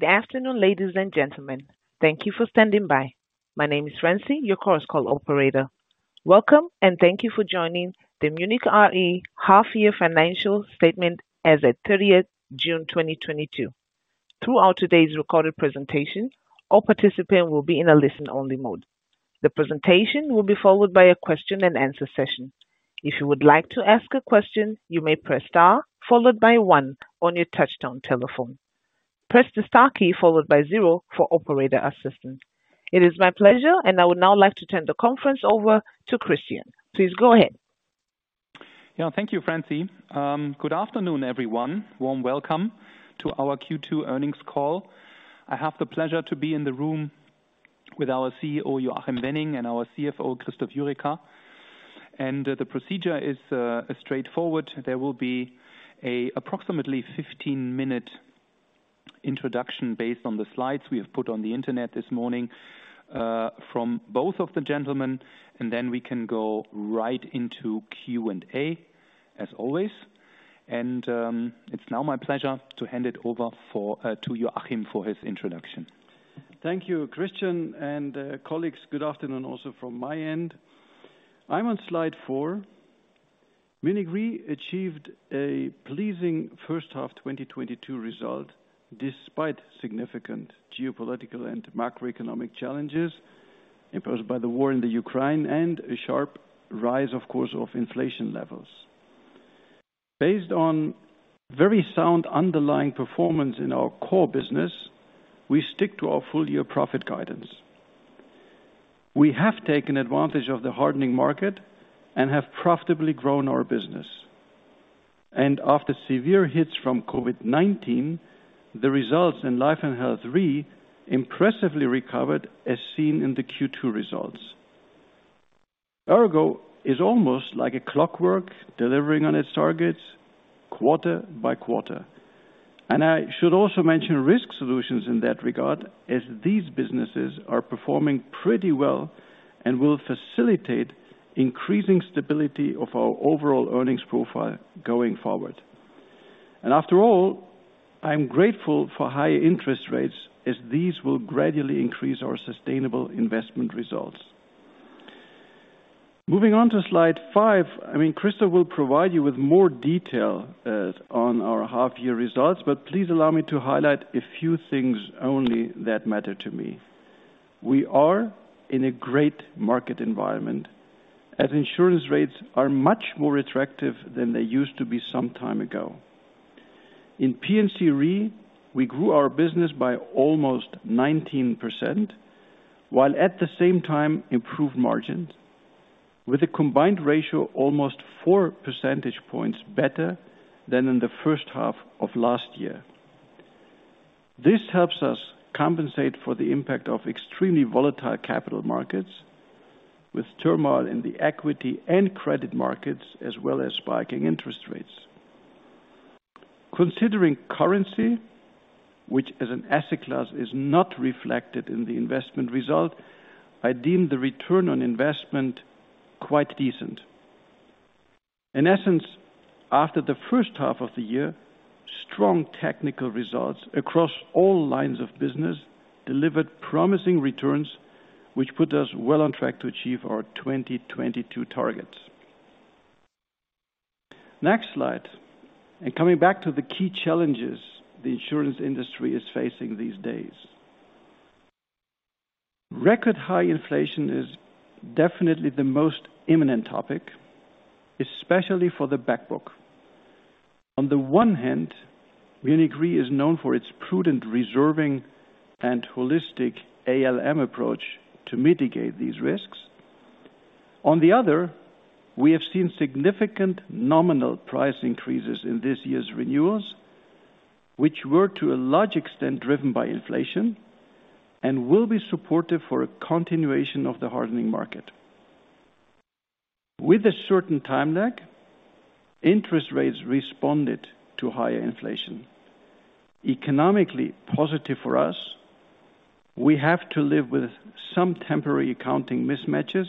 Good afternoon, ladies and gentlemen. Thank you for standing by. My name is Francine, your Chorus Call operator. Welcome, and thank you for joining the Munich Re half-year financial statement as at 30th June 2022. Throughout today's recorded presentation, all participants will be in a listen-only mode. The presentation will be followed by a question and answer session. If you would like to ask a question, you may press star followed by one on your touchtone telephone. Press the star key followed by zero for operator assistance. It is my pleasure, and I would now like to turn the conference over to Christian. Please go ahead. Yeah. Thank you, Francine. Good afternoon, everyone. Warm welcome to our Q2 earnings call. I have the pleasure to be in the room with our CEO, Joachim Wenning, and our CFO, Christoph Jurecka. The procedure is straightforward. There will be a approximately 15-minute introduction based on the slides we have put on the Internet this morning from both of the gentlemen, and then we can go right into Q&A as always. It's now my pleasure to hand it over to Joachim for his introduction. Thank you, Christian, and colleagues, good afternoon also from my end. I'm on slide four. Munich Re achieved a pleasing first half 2022 result despite significant geopolitical and macroeconomic challenges imposed by the war in the Ukraine and a sharp rise, of course, of inflation levels. Based on very sound underlying performance in our core business, we stick to our full-year profit guidance. We have taken advantage of the hardening market and have profitably grown our business. After severe hits from COVID-19, the results in Life & Health Re impressively recovered, as seen in the Q2 results. ERGO is almost like a clockwork delivering on its targets quarter by quarter. I should also mention Risk Solutions in that regard, as these businesses are performing pretty well and will facilitate increasing stability of our overall earnings profile going forward. After all, I'm grateful for high interest rates as these will gradually increase our sustainable investment results. Moving on to slide five. I mean, Christoph will provide you with more detail on our half year results, but please allow me to highlight a few things only that matter to me. We are in a great market environment as insurance rates are much more attractive than they used to be some time ago. In P&C Re, we grew our business by almost 19% while at the same time improved margins with a combined ratio almost 4 percentage points better than in the first half of last year. This helps us compensate for the impact of extremely volatile capital markets with turmoil in the equity and credit markets, as well as spiking interest rates. Considering currency, which as an asset class, is not reflected in the investment result, I deem the return on investment quite decent. In essence, after the first half of the year, strong technical results across all lines of business delivered promising returns, which put us well on track to achieve our 2022 targets. Next slide. Coming back to the key challenges the insurance industry is facing these days. Record high inflation is definitely the most imminent topic, especially for the back book. On the one hand, Munich Re is known for its prudent reserving and holistic ALM approach to mitigate these risks. On the other, we have seen significant nominal price increases in this year's renewals, which were to a large extent driven by inflation and will be supportive for a continuation of the hardening market. With a certain time lag, interest rates responded to higher inflation. Economically positive for us, we have to live with some temporary accounting mismatches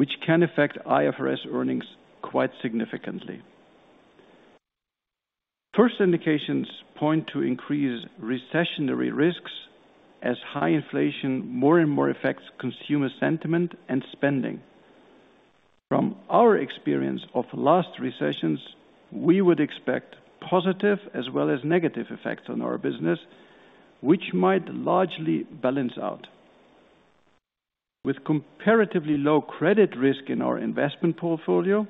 which can affect IFRS earnings quite significantly. First indications point to increased recessionary risks as high inflation more and more affects consumer sentiment and spending. From our experience of last recessions, we would expect positive as well as negative effects on our business, which might largely balance out. With comparatively low credit risk in our investment portfolio,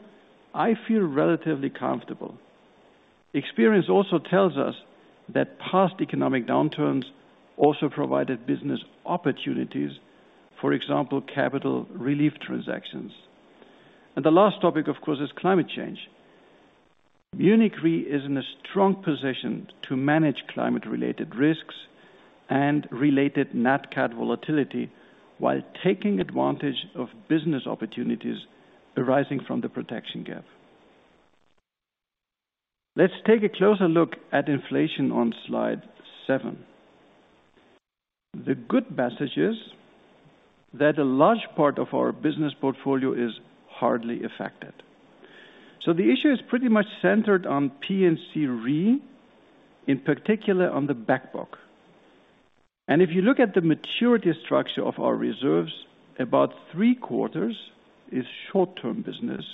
I feel relatively comfortable. Experience also tells us that past economic downturns also provided business opportunities, for example, capital relief transactions. The last topic, of course, is climate change. Munich Re is in a strong position to manage climate-related risks and related NatCat volatility while taking advantage of business opportunities arising from the protection gap. Let's take a closer look at inflation on slide seven. The good message is that a large part of our business portfolio is hardly affected. The issue is pretty much centered on P&C Re, in particular on the back book. If you look at the maturity structure of our reserves, about three-quarters is short-term business,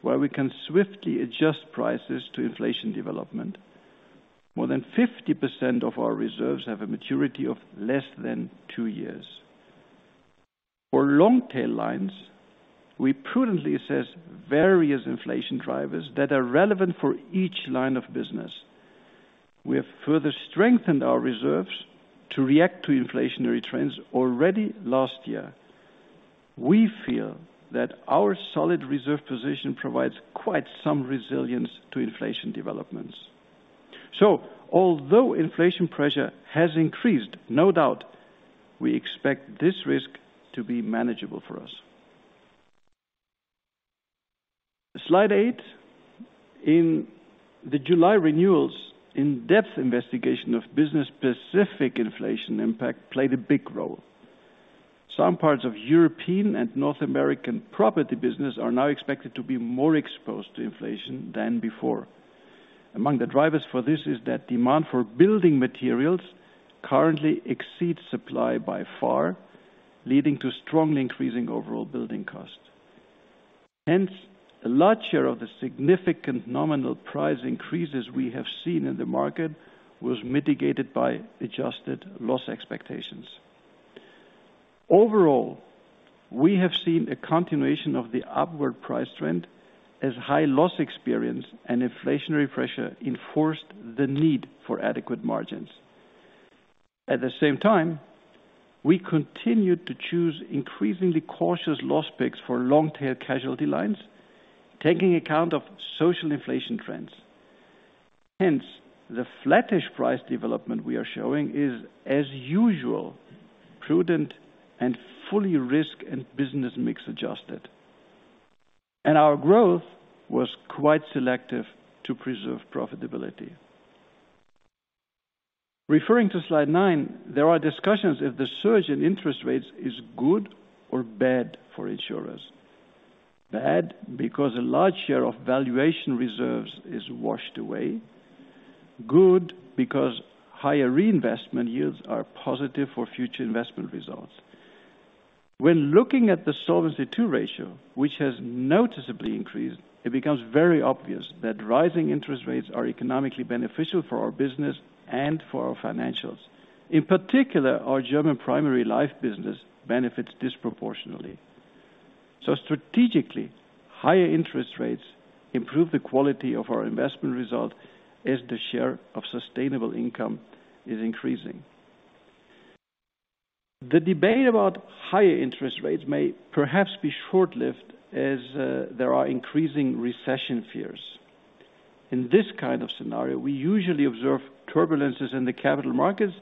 where we can swiftly adjust prices to inflation development. More than 50% of our reserves have a maturity of less than two years. For long tail lines, we prudently assess various inflation drivers that are relevant for each line of business. We have further strengthened our reserves to react to inflationary trends already last year. We feel that our solid reserve position provides quite some resilience to inflation developments. Although inflation pressure has increased, no doubt, we expect this risk to be manageable for us. Slide eight. In the July renewals, in-depth investigation of business-specific inflation impact played a big role. Some parts of European and North American property business are now expected to be more exposed to inflation than before. Among the drivers for this is that demand for building materials currently exceeds supply by far, leading to strongly increasing overall building costs. Hence, a large share of the significant nominal price increases we have seen in the market was mitigated by adjusted loss expectations. Overall, we have seen a continuation of the upward price trend as high loss experience and inflationary pressure enforced the need for adequate margins. At the same time, we continued to choose increasingly cautious loss picks for long tail casualty lines, taking account of social inflation trends. Hence, the flattish price development we are showing is, as usual, prudent and fully risk and business mix adjusted. Our growth was quite selective to preserve profitability. Referring to slide nine, there are discussions if the surge in interest rates is good or bad for insurers. Bad because a large share of valuation reserves is washed away. Good because higher reinvestment yields are positive for future investment results. When looking at the Solvency II ratio, which has noticeably increased, it becomes very obvious that rising interest rates are economically beneficial for our business and for our financials. In particular, our German primary life business benefits disproportionately. Strategically, higher interest rates improve the quality of our investment result as the share of sustainable income is increasing. The debate about higher interest rates may perhaps be short-lived as there are increasing recession fears. In this kind of scenario, we usually observe turbulences in the capital markets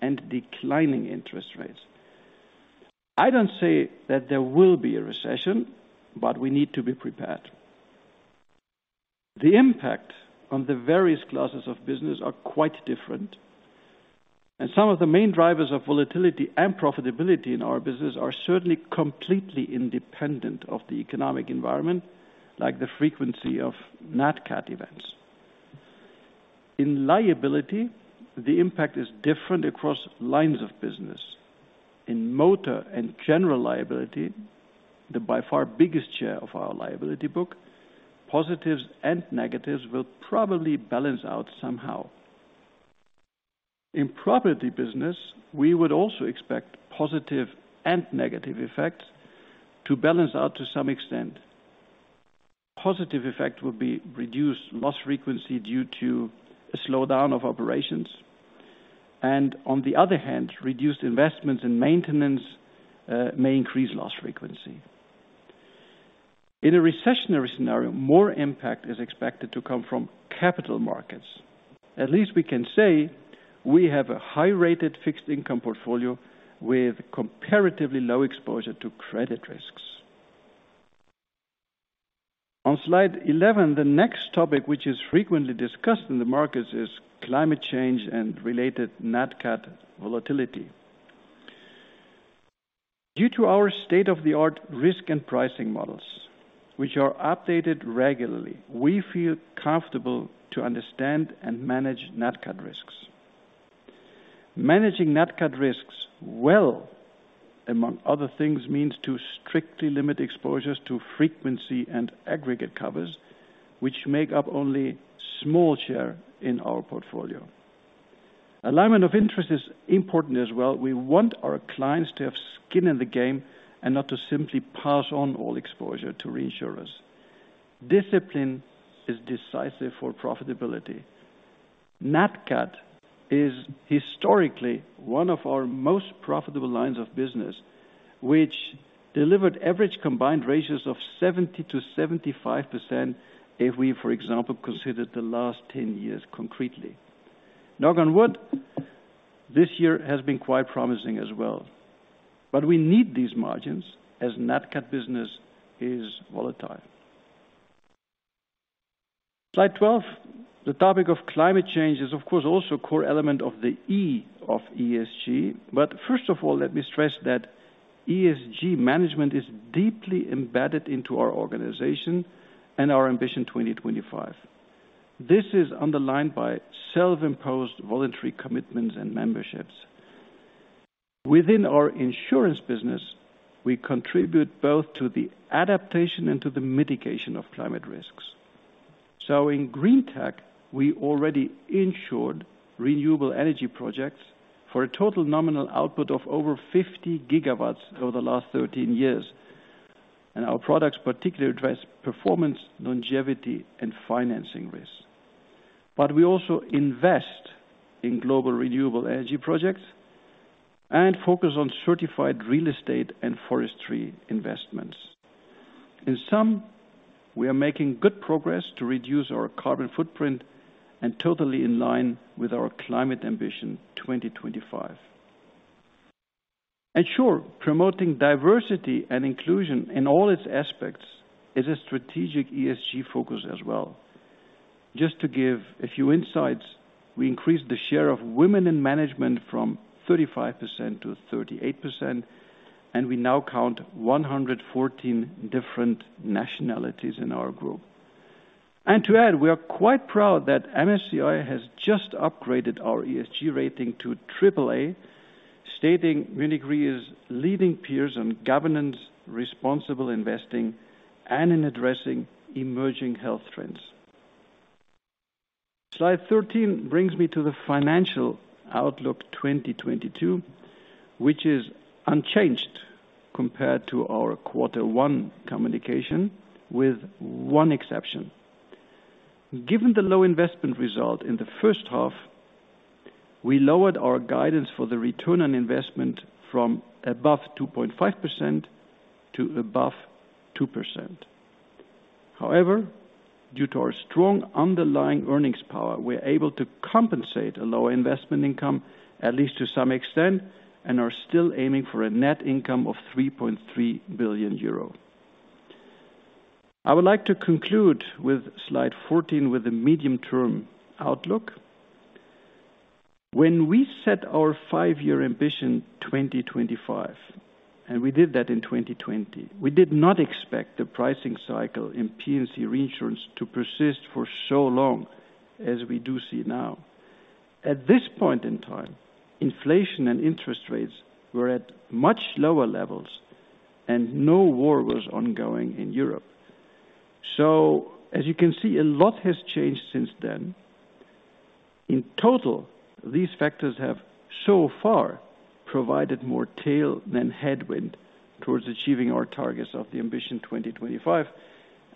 and declining interest rates. I don't say that there will be a recession, but we need to be prepared. The impact on the various classes of business are quite different, and some of the main drivers of volatility and profitability in our business are certainly completely independent of the economic environment, like the frequency of NatCat events. In liability, the impact is different across lines of business. In motor and general liability, the by far biggest share of our liability book, positives and negatives will probably balance out somehow. In property business, we would also expect positive and negative effects to balance out to some extent. Positive effect will be reduced loss frequency due to a slowdown of operations. On the other hand, reduced investments in maintenance may increase loss frequency. In a recessionary scenario, more impact is expected to come from capital markets. At least we can say we have a high-rated fixed income portfolio with comparatively low exposure to credit risks. On slide 11, the next topic which is frequently discussed in the markets is climate change and related NatCat volatility. Due to our state-of-the-art risk and pricing models, which are updated regularly, we feel comfortable to understand and manage NatCat risks. Managing NatCat risks well, among other things, means to strictly limit exposures to frequency and aggregate covers, which make up only small share in our portfolio. Alignment of interest is important as well. We want our clients to have skin in the game and not to simply pass on all exposure to reinsurers. Discipline is decisive for profitability. NatCat is historically one of our most profitable lines of business, which delivered average combined ratios of 70%-75% if we, for example, considered the last 10 years concretely. Knock on wood, this year has been quite promising as well. We need these margins as NatCat business is volatile. Slide 12. The topic of climate change is of course also a core element of the E of ESG. First of all, let me stress that ESG management is deeply embedded into our organization and our Ambition 2025. This is underlined by self-imposed voluntary commitments and memberships. Within our insurance business, we contribute both to the adaptation and to the mitigation of climate risks. In Green Tech, we already insured renewable energy projects for a total nominal output of over 50 GW over the last 13 years. Our products particularly address performance, longevity and financing risk. We also invest in global renewable energy projects and focus on certified real estate and forestry investments. In sum, we are making good progress to reduce our carbon footprint and totally in line with our climate Ambition 2025. Sure, promoting diversity and inclusion in all its aspects is a strategic ESG focus as well. Just to give a few insights, we increased the share of women in management from 35%-38%, and we now count 114 different nationalities in our group. To add, we are quite proud that MSCI has just upgraded our ESG rating to AAA, stating Munich Re is leading peers on governance, responsible investing and in addressing emerging health trends. Slide 13 brings me to the financial outlook 2022, which is unchanged compared to our quarter one communication, with one exception. Given the low investment result in the first half, we lowered our guidance for the return on investment from above 2.5% to above 2%. However, due to our strong underlying earnings power, we are able to compensate a lower investment income at least to some extent, and are still aiming for a net income of 3.3 billion euro. I would like to conclude with slide 14 with the medium term outlook. When we set our five-year Ambition 2025, and we did that in 2020, we did not expect the pricing cycle in P&C reinsurance to persist for so long as we do see now. At this point in time, inflation and interest rates were at much lower levels and no war was ongoing in Europe. As you can see, a lot has changed since then. In total, these factors have so far provided more tail than headwind towards achieving our targets of the Ambition 2025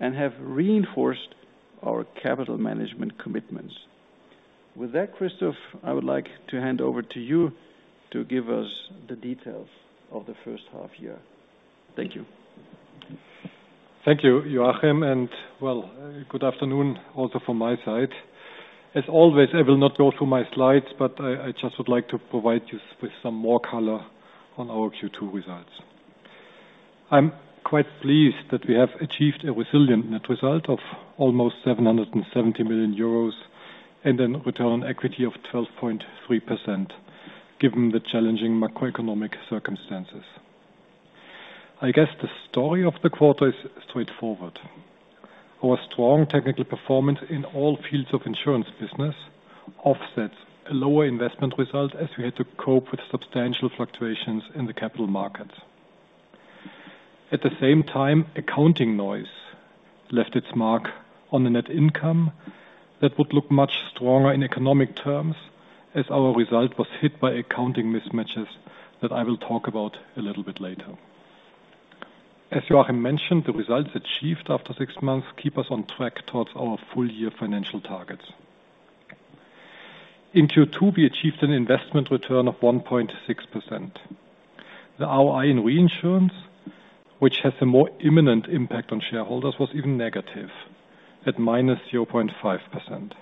and have reinforced our capital management commitments. With that, Christoph, I would like to hand over to you to give us the details of the first half year. Thank you. Thank you, Joachim, and well, good afternoon also from my side. As always, I will not go through my slides, but I just would like to provide you with some more color on our Q2 results. I'm quite pleased that we have achieved a resilient net result of almost 770 million euros and a return on equity of 12.3% given the challenging macroeconomic circumstances. I guess the story of the quarter is straightforward. Our strong technical performance in all fields of insurance business offsets a lower investment result as we had to cope with substantial fluctuations in the capital markets. At the same time, accounting noise left its mark on the net income that would look much stronger in economic terms as our result was hit by accounting mismatches that I will talk about a little bit later. As Joachim mentioned, the results achieved after six months keep us on track towards our full year financial targets. In Q2, we achieved an investment return of 1.6%. The ROI in reinsurance, which has a more imminent impact on shareholders, was even negative at -0.5%,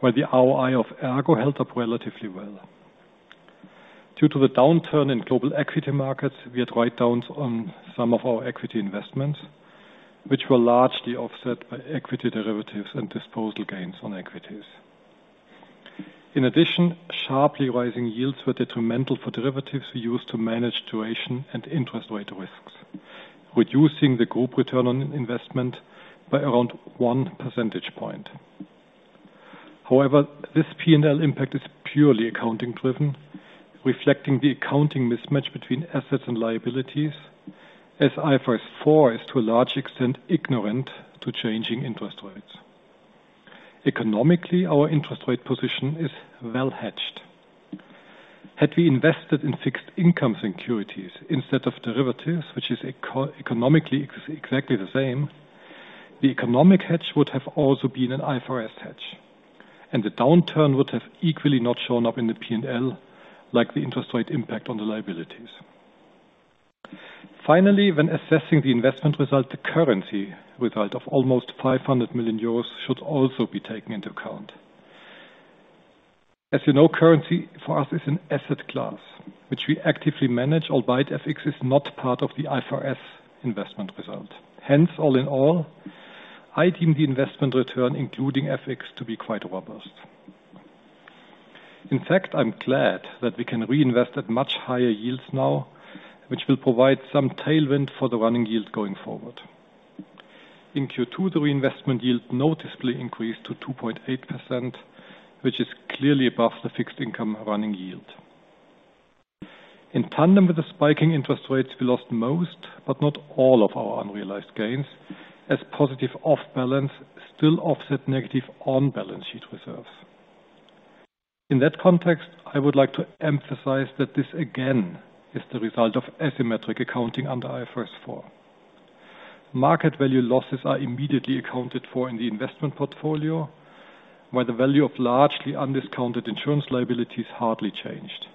while the ROI of ERGO held up relatively well. Due to the downturn in global equity markets, we had write-downs on some of our equity investments, which were largely offset by equity derivatives and disposal gains on equities. In addition, sharply rising yields were detrimental for derivatives used to manage duration and interest rate risks, reducing the group return on investment by around 1 percentage point. However, this P&L impact is purely accounting driven, reflecting the accounting mismatch between assets and liabilities as IFRS 4 is to a large extent ignorant to changing interest rates. Economically, our interest rate position is well hedged. Had we invested in fixed income securities instead of derivatives, which is economically exactly the same, the economic hedge would have also been an IFRS hedge, and the downturn would have equally not shown up in the P&L like the interest rate impact on the liabilities. Finally, when assessing the investment result, the currency result of almost 500 million euros should also be taken into account. As you know, currency for us is an asset class, which we actively manage, albeit FX is not part of the IFRS investment result. Hence, all in all, I deem the investment return, including FX, to be quite robust. In fact, I'm glad that we can reinvest at much higher yields now, which will provide some tailwind for the running yield going forward. In Q2, the reinvestment yield noticeably increased to 2.8%, which is clearly above the fixed income running yield. In tandem with the spiking interest rates, we lost most, but not all of our unrealized gains as positive off-balance-sheet still offset negative on-balance-sheet reserves. In that context, I would like to emphasize that this, again, is the result of asymmetric accounting under IFRS 4. Market value losses are immediately accounted for in the investment portfolio, while the value of largely undiscounted insurance liability is hardly changed.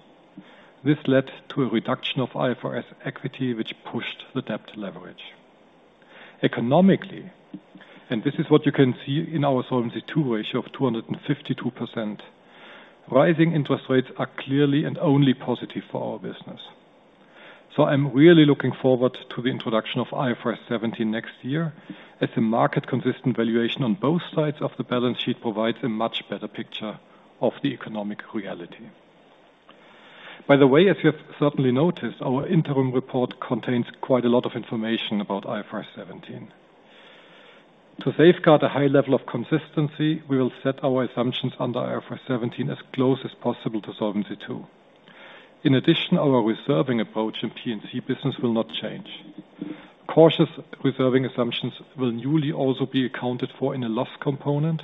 This led to a reduction of IFRS equity, which pushed the debt to leverage. Economically, this is what you can see in our Solvency II ratio of 252%. Rising interest rates are clearly and only positive for our business. I'm really looking forward to the introduction of IFRS 17 next year as a market consistent valuation on both sides of the balance sheet provides a much better picture of the economic reality. By the way, as you have certainly noticed, our interim report contains quite a lot of information about IFRS 17. To safeguard a high level of consistency, we will set our assumptions under IFRS 17 as close as possible to Solvency II. In addition, our reserving approach in P&C business will not change. Cautious reserving assumptions will newly also be accounted for in a loss component,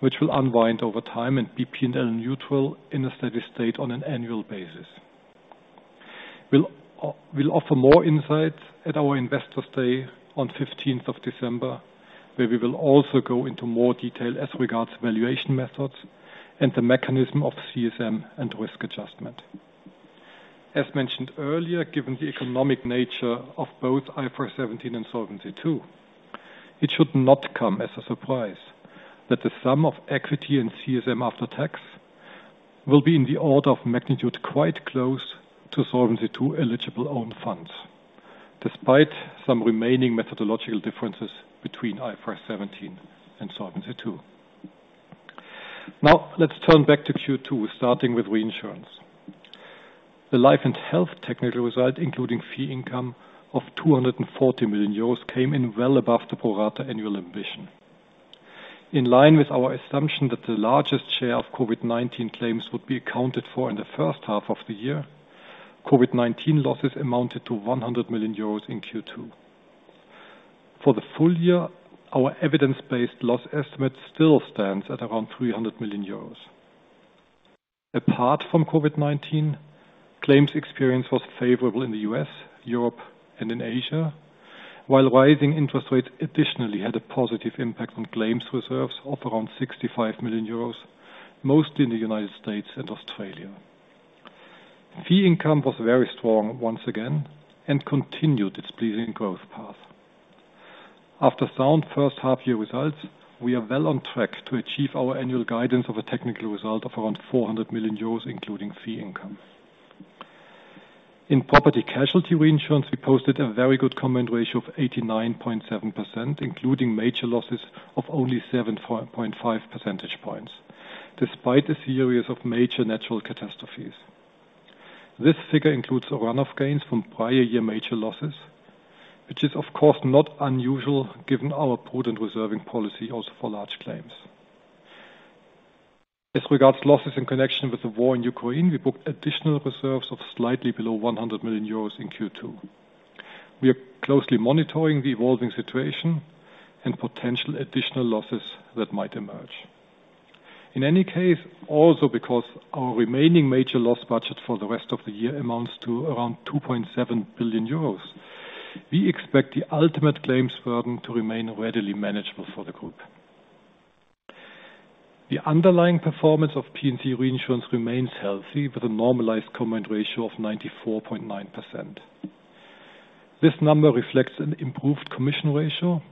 which will unwind over time and be P&L neutral in a steady-state on an annual basis. We'll offer more insights at our Investor Day on 15th of December, where we will also go into more detail as regards valuation methods and the mechanism of CSM and risk adjustment. As mentioned earlier, given the economic nature of both IFRS 17 and Solvency II, it should not come as a surprise that the sum of equity and CSM after tax will be in the order of magnitude quite close to Solvency II eligible own funds, despite some remaining methodological differences between IFRS 17 and Solvency II. Now, let's turn back to Q2, starting with reinsurance. The Life & Health technical result, including fee income of 240 million euros, came in well above the pro-rata annual ambition. In line with our assumption that the largest share of COVID-19 claims would be accounted for in the first half of the year, COVID-19 losses amounted to 100 million euros in Q2. For the full year, our evidence-based loss estimate still stands at around 300 million euros. Apart from COVID-19, claims experience was favorable in the U.S., Europe, and in Asia, while rising interest rates additionally had a positive impact on claims reserves of around 65 million euros, mostly in the United States and Australia. Fee income was very strong once again and continued its pleasing growth path. After sound first half-year results, we are well on track to achieve our annual guidance of a technical result of around 400 million euros, including fee income. In property casualty reinsurance, we posted a very good combined ratio of 89.7%, including major losses of only 7.5 percentage points, despite a series of major natural catastrophes. This figure includes run-off gains from prior year major losses, which is, of course, not unusual given our prudent reserving policy also for large claims. As regards losses in connection with the war in Ukraine, we booked additional reserves of slightly below 100 million euros in Q2. We are closely monitoring the evolving situation and potential additional losses that might emerge. In any case, also because our remaining major loss budget for the rest of the year amounts to around 2.7 billion euros, we expect the ultimate claims burden to remain readily manageable for the group. The underlying performance of P&C reinsurance remains healthy with a normalized combined ratio of 94.9%. This number reflects an improved commission ratio,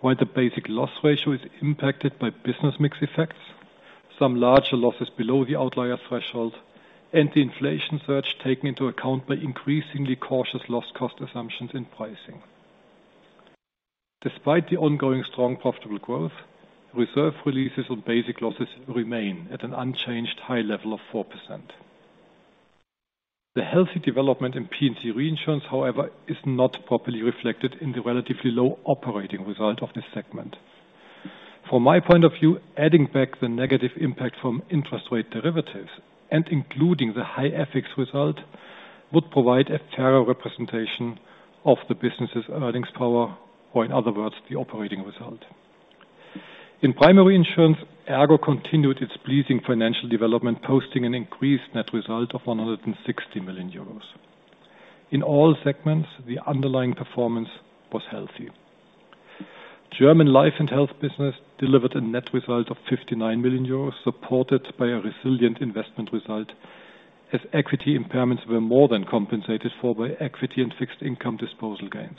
while the basic loss ratio is impacted by business mix effects, some larger losses below the outlier threshold, and the inflation surge taken into account by increasingly cautious loss cost assumptions in pricing. Despite the ongoing strong profitable growth, reserve releases on basic losses remain at an unchanged high level of 4%. The healthy development in P&C reinsurance, however, is not properly reflected in the relatively low operating result of this segment. From my point of view, adding back the negative impact from interest rate derivatives and including the high FX result, would provide a fairer representation of the business's earnings power or in other words, the operating result. In primary insurance, ERGO continued its pleasing financial development, posting an increased net result of 160 million euros. In all segments, the underlying performance was healthy. German Life & Health business delivered a net result of 59 million euros, supported by a resilient investment result as equity impairments were more than compensated for by equity and fixed income disposal gains.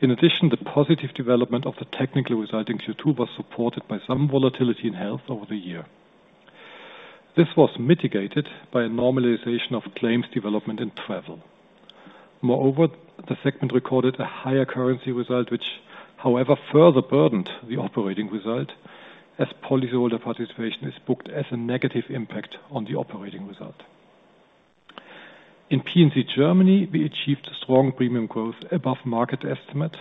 In addition, the positive development of the technical result in Q2 was supported by some volatility in health over the year. This was mitigated by a normalization of claims development in travel. Moreover, the segment recorded a higher currency result, which however, further burdened the operating result as policyholder participation is booked as a negative impact on the operating result. In P&C Germany, we achieved strong premium growth above market estimate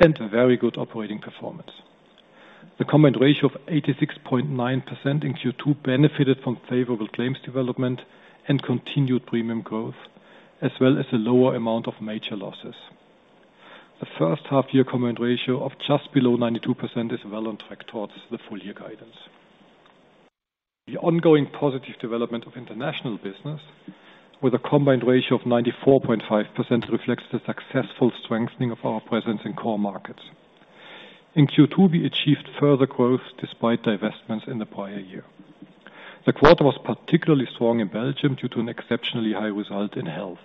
and a very good operating performance. The combined ratio of 86.9% in Q2 benefited from favorable claims development and continued premium growth, as well as a lower amount of major losses. The first half-year combined ratio of just below 92% is well on track towards the full year guidance. The ongoing positive development of international business with a combined ratio of 94.5% reflects the successful strengthening of our presence in core markets. In Q2, we achieved further growth despite divestments in the prior year. The quarter was particularly strong in Belgium due to an exceptionally high result in health,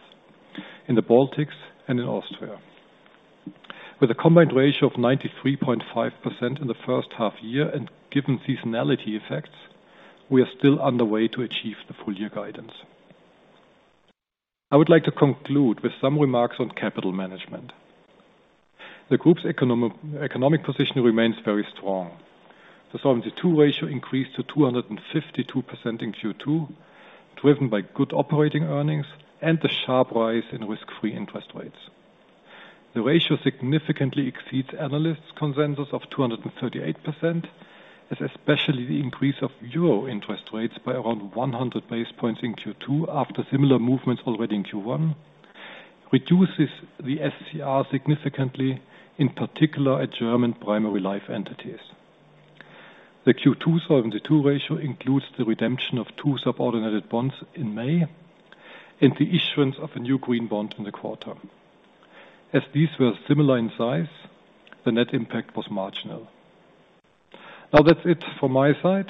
in the Baltics and in Austria. With a combined ratio of 93.5% in the first half year and given seasonality effects, we are still on the way to achieve the full year guidance. I would like to conclude with some remarks on capital management. The group's economic position remains very strong. The Solvency II ratio increased to 252% in Q2, driven by good operating earnings and the sharp rise in risk-free interest rates. The ratio significantly exceeds analysts' consensus of 238%, as especially the increase of euro interest rates by around 100 basis points in Q2 after similar movements already in Q1, reduces the SCR significantly, in particular at German primary life entities. The Q2 Solvency II ratio includes the redemption of two subordinated bonds in May and the issuance of a new green bond in the quarter. As these were similar in size, the net impact was marginal. Now, that's it from my side.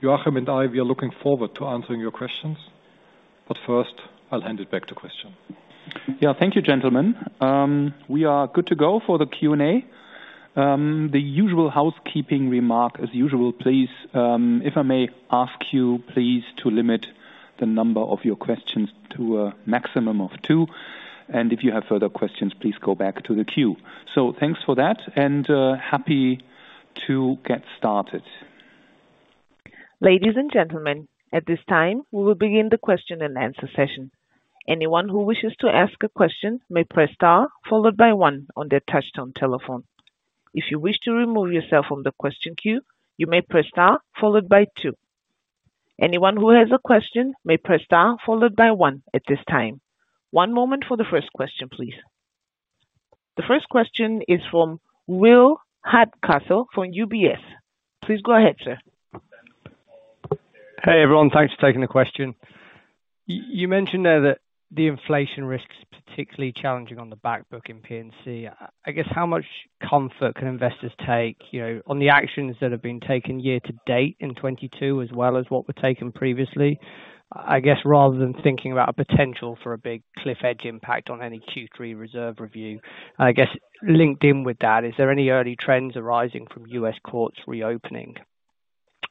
Joachim and I, we are looking forward to answering your questions, but first I'll hand it back to Christian. Yeah. Thank you, gentlemen. We are good to go for the Q&A. The usual housekeeping remark as usual, please, if I may ask you please to limit the number of your questions to a maximum of two, and if you have further questions, please go back to the queue. Thanks for that and happy to get started. Ladies and gentlemen, at this time, we will begin the question and answer session. Anyone who wishes to ask a question may press star followed by one on their touchtone telephone. If you wish to remove yourself from the question queue, you may press star followed by two. Anyone who has a question may press star followed by one at this time. One moment for the first question, please. The first question is from Will Hardcastle from UBS. Please go ahead, sir. Hey, everyone. Thanks for taking the question. You mentioned there that the inflation risk is particularly challenging on the back book in P&C. I guess how much comfort can investors take, you know, on the actions that have been taken year to date in 2022, as well as what were taken previously? I guess rather than thinking about a potential for a big cliff edge impact on any Q3 reserve review. I guess linked in with that, is there any early trends arising from U.S. courts reopening?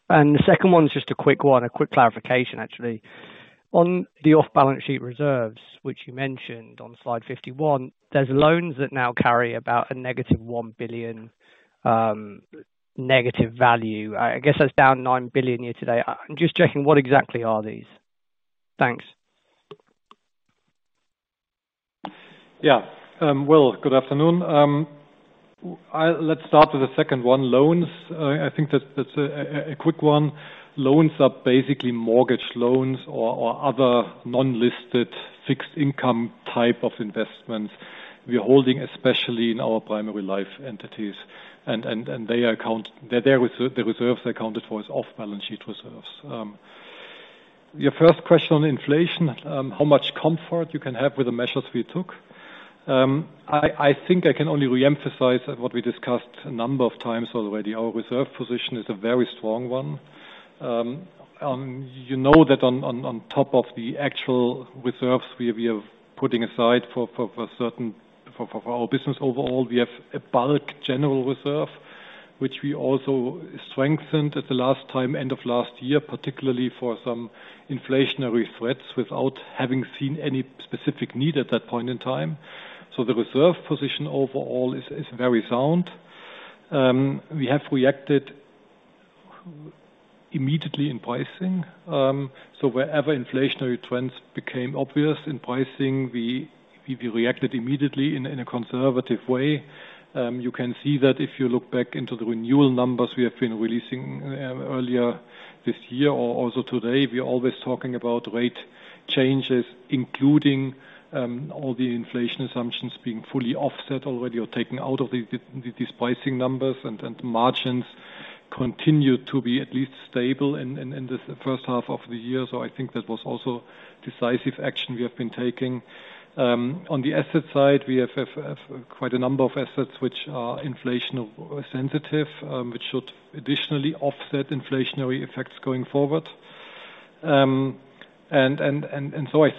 And the second one is just a quick one, a quick clarification actually. On the off-balance sheet reserves, which you mentioned on slide 51, there's loans that now carry about a -1 billion negative value. I guess that's down 9 billion year to date. I'm just checking what exactly are these? Thanks. Yeah. Will, good afternoon. Let's start with the second one. Loans, I think that's a quick one. Loans are basically mortgage loans or other non-listed fixed income type of investments we are holding, especially in our primary life entities. Their reserves are accounted for as off-balance sheet reserves. Your first question on inflation, how much comfort you can have with the measures we took. I think I can only reemphasize what we discussed a number of times already. Our reserve position is a very strong one. You know that on top of the actual reserves, we are putting aside for certain for our business overall. We have a bulk general reserve, which we also strengthened at the last time, end of last year, particularly for some inflationary threats, without having seen any specific need at that point in time. The reserve position overall is very sound. We have reacted immediately in pricing. Wherever inflationary trends became obvious in pricing, we reacted immediately in a conservative way. You can see that if you look back into the renewal numbers we have been releasing, earlier this year or also today. We're always talking about rate changes, including all the inflation assumptions being fully offset already or taken out of these pricing numbers. Margins continue to be at least stable in the first half of the year. I think that was also decisive action we have been taking. On the asset side, we have quite a number of assets which are inflation sensitive, which should additionally offset inflationary effects going forward. I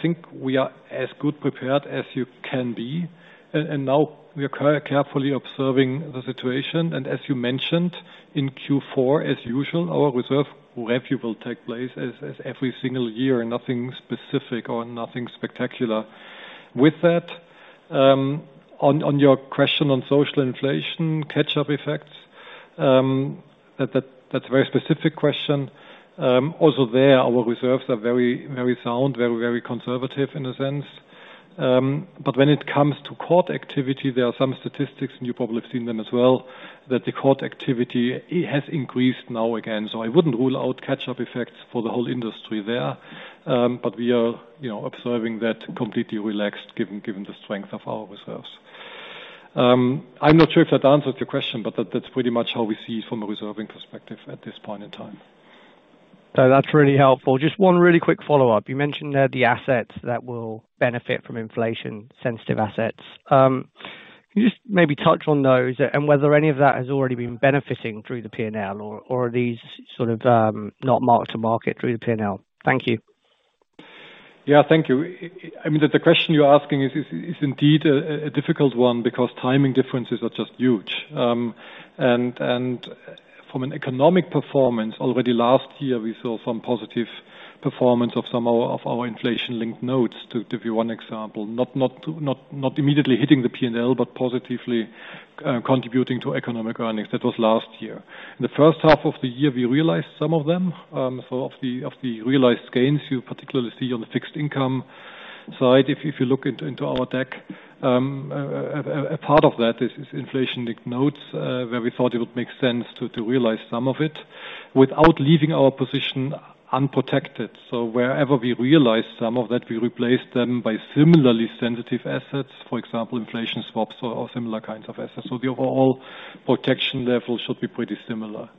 think we are as good prepared as you can be. Now we are carefully observing the situation. As you mentioned, in Q4 as usual, our reserve review will take place as every single year, nothing specific or nothing spectacular. With that, on your question on social inflation catch-up effects, that's a very specific question. Also there, our reserves are very sound, very conservative in a sense. When it comes to court activity, there are some statistics, and you probably have seen them as well, that the court activity has increased now again. I wouldn't rule out catch-up effects for the whole industry there. But we are, you know, observing that completely relaxed given the strength of our reserves. I'm not sure if that answers your question, but that's pretty much how we see it from a reserving perspective at this point in time. That's really helpful. Just one really quick follow-up. You mentioned there the assets that will benefit from inflation-sensitive assets. Can you just maybe touch on those and whether any of that has already been benefiting through the P&L or are these sort of, not mark to market through the P&L? Thank you. Yeah, thank you. I mean, the question you're asking is indeed a difficult one because timing differences are just huge. From an economic performance, already last year, we saw some positive performance of some of our inflation-linked notes to give you one example. Not immediately hitting the P&L, but positively contributing to economic earnings. That was last year. In the first half of the year, we realized some of them, so of the realized gains you particularly see on the fixed income side. If you look into our deck, a part of that is inflation-linked notes, where we thought it would make sense to realize some of it without leaving our position unprotected. Wherever we realized some of that, we replaced them by similarly sensitive assets, for example, inflation swaps or similar kinds of assets. The overall protection level should be pretty similar.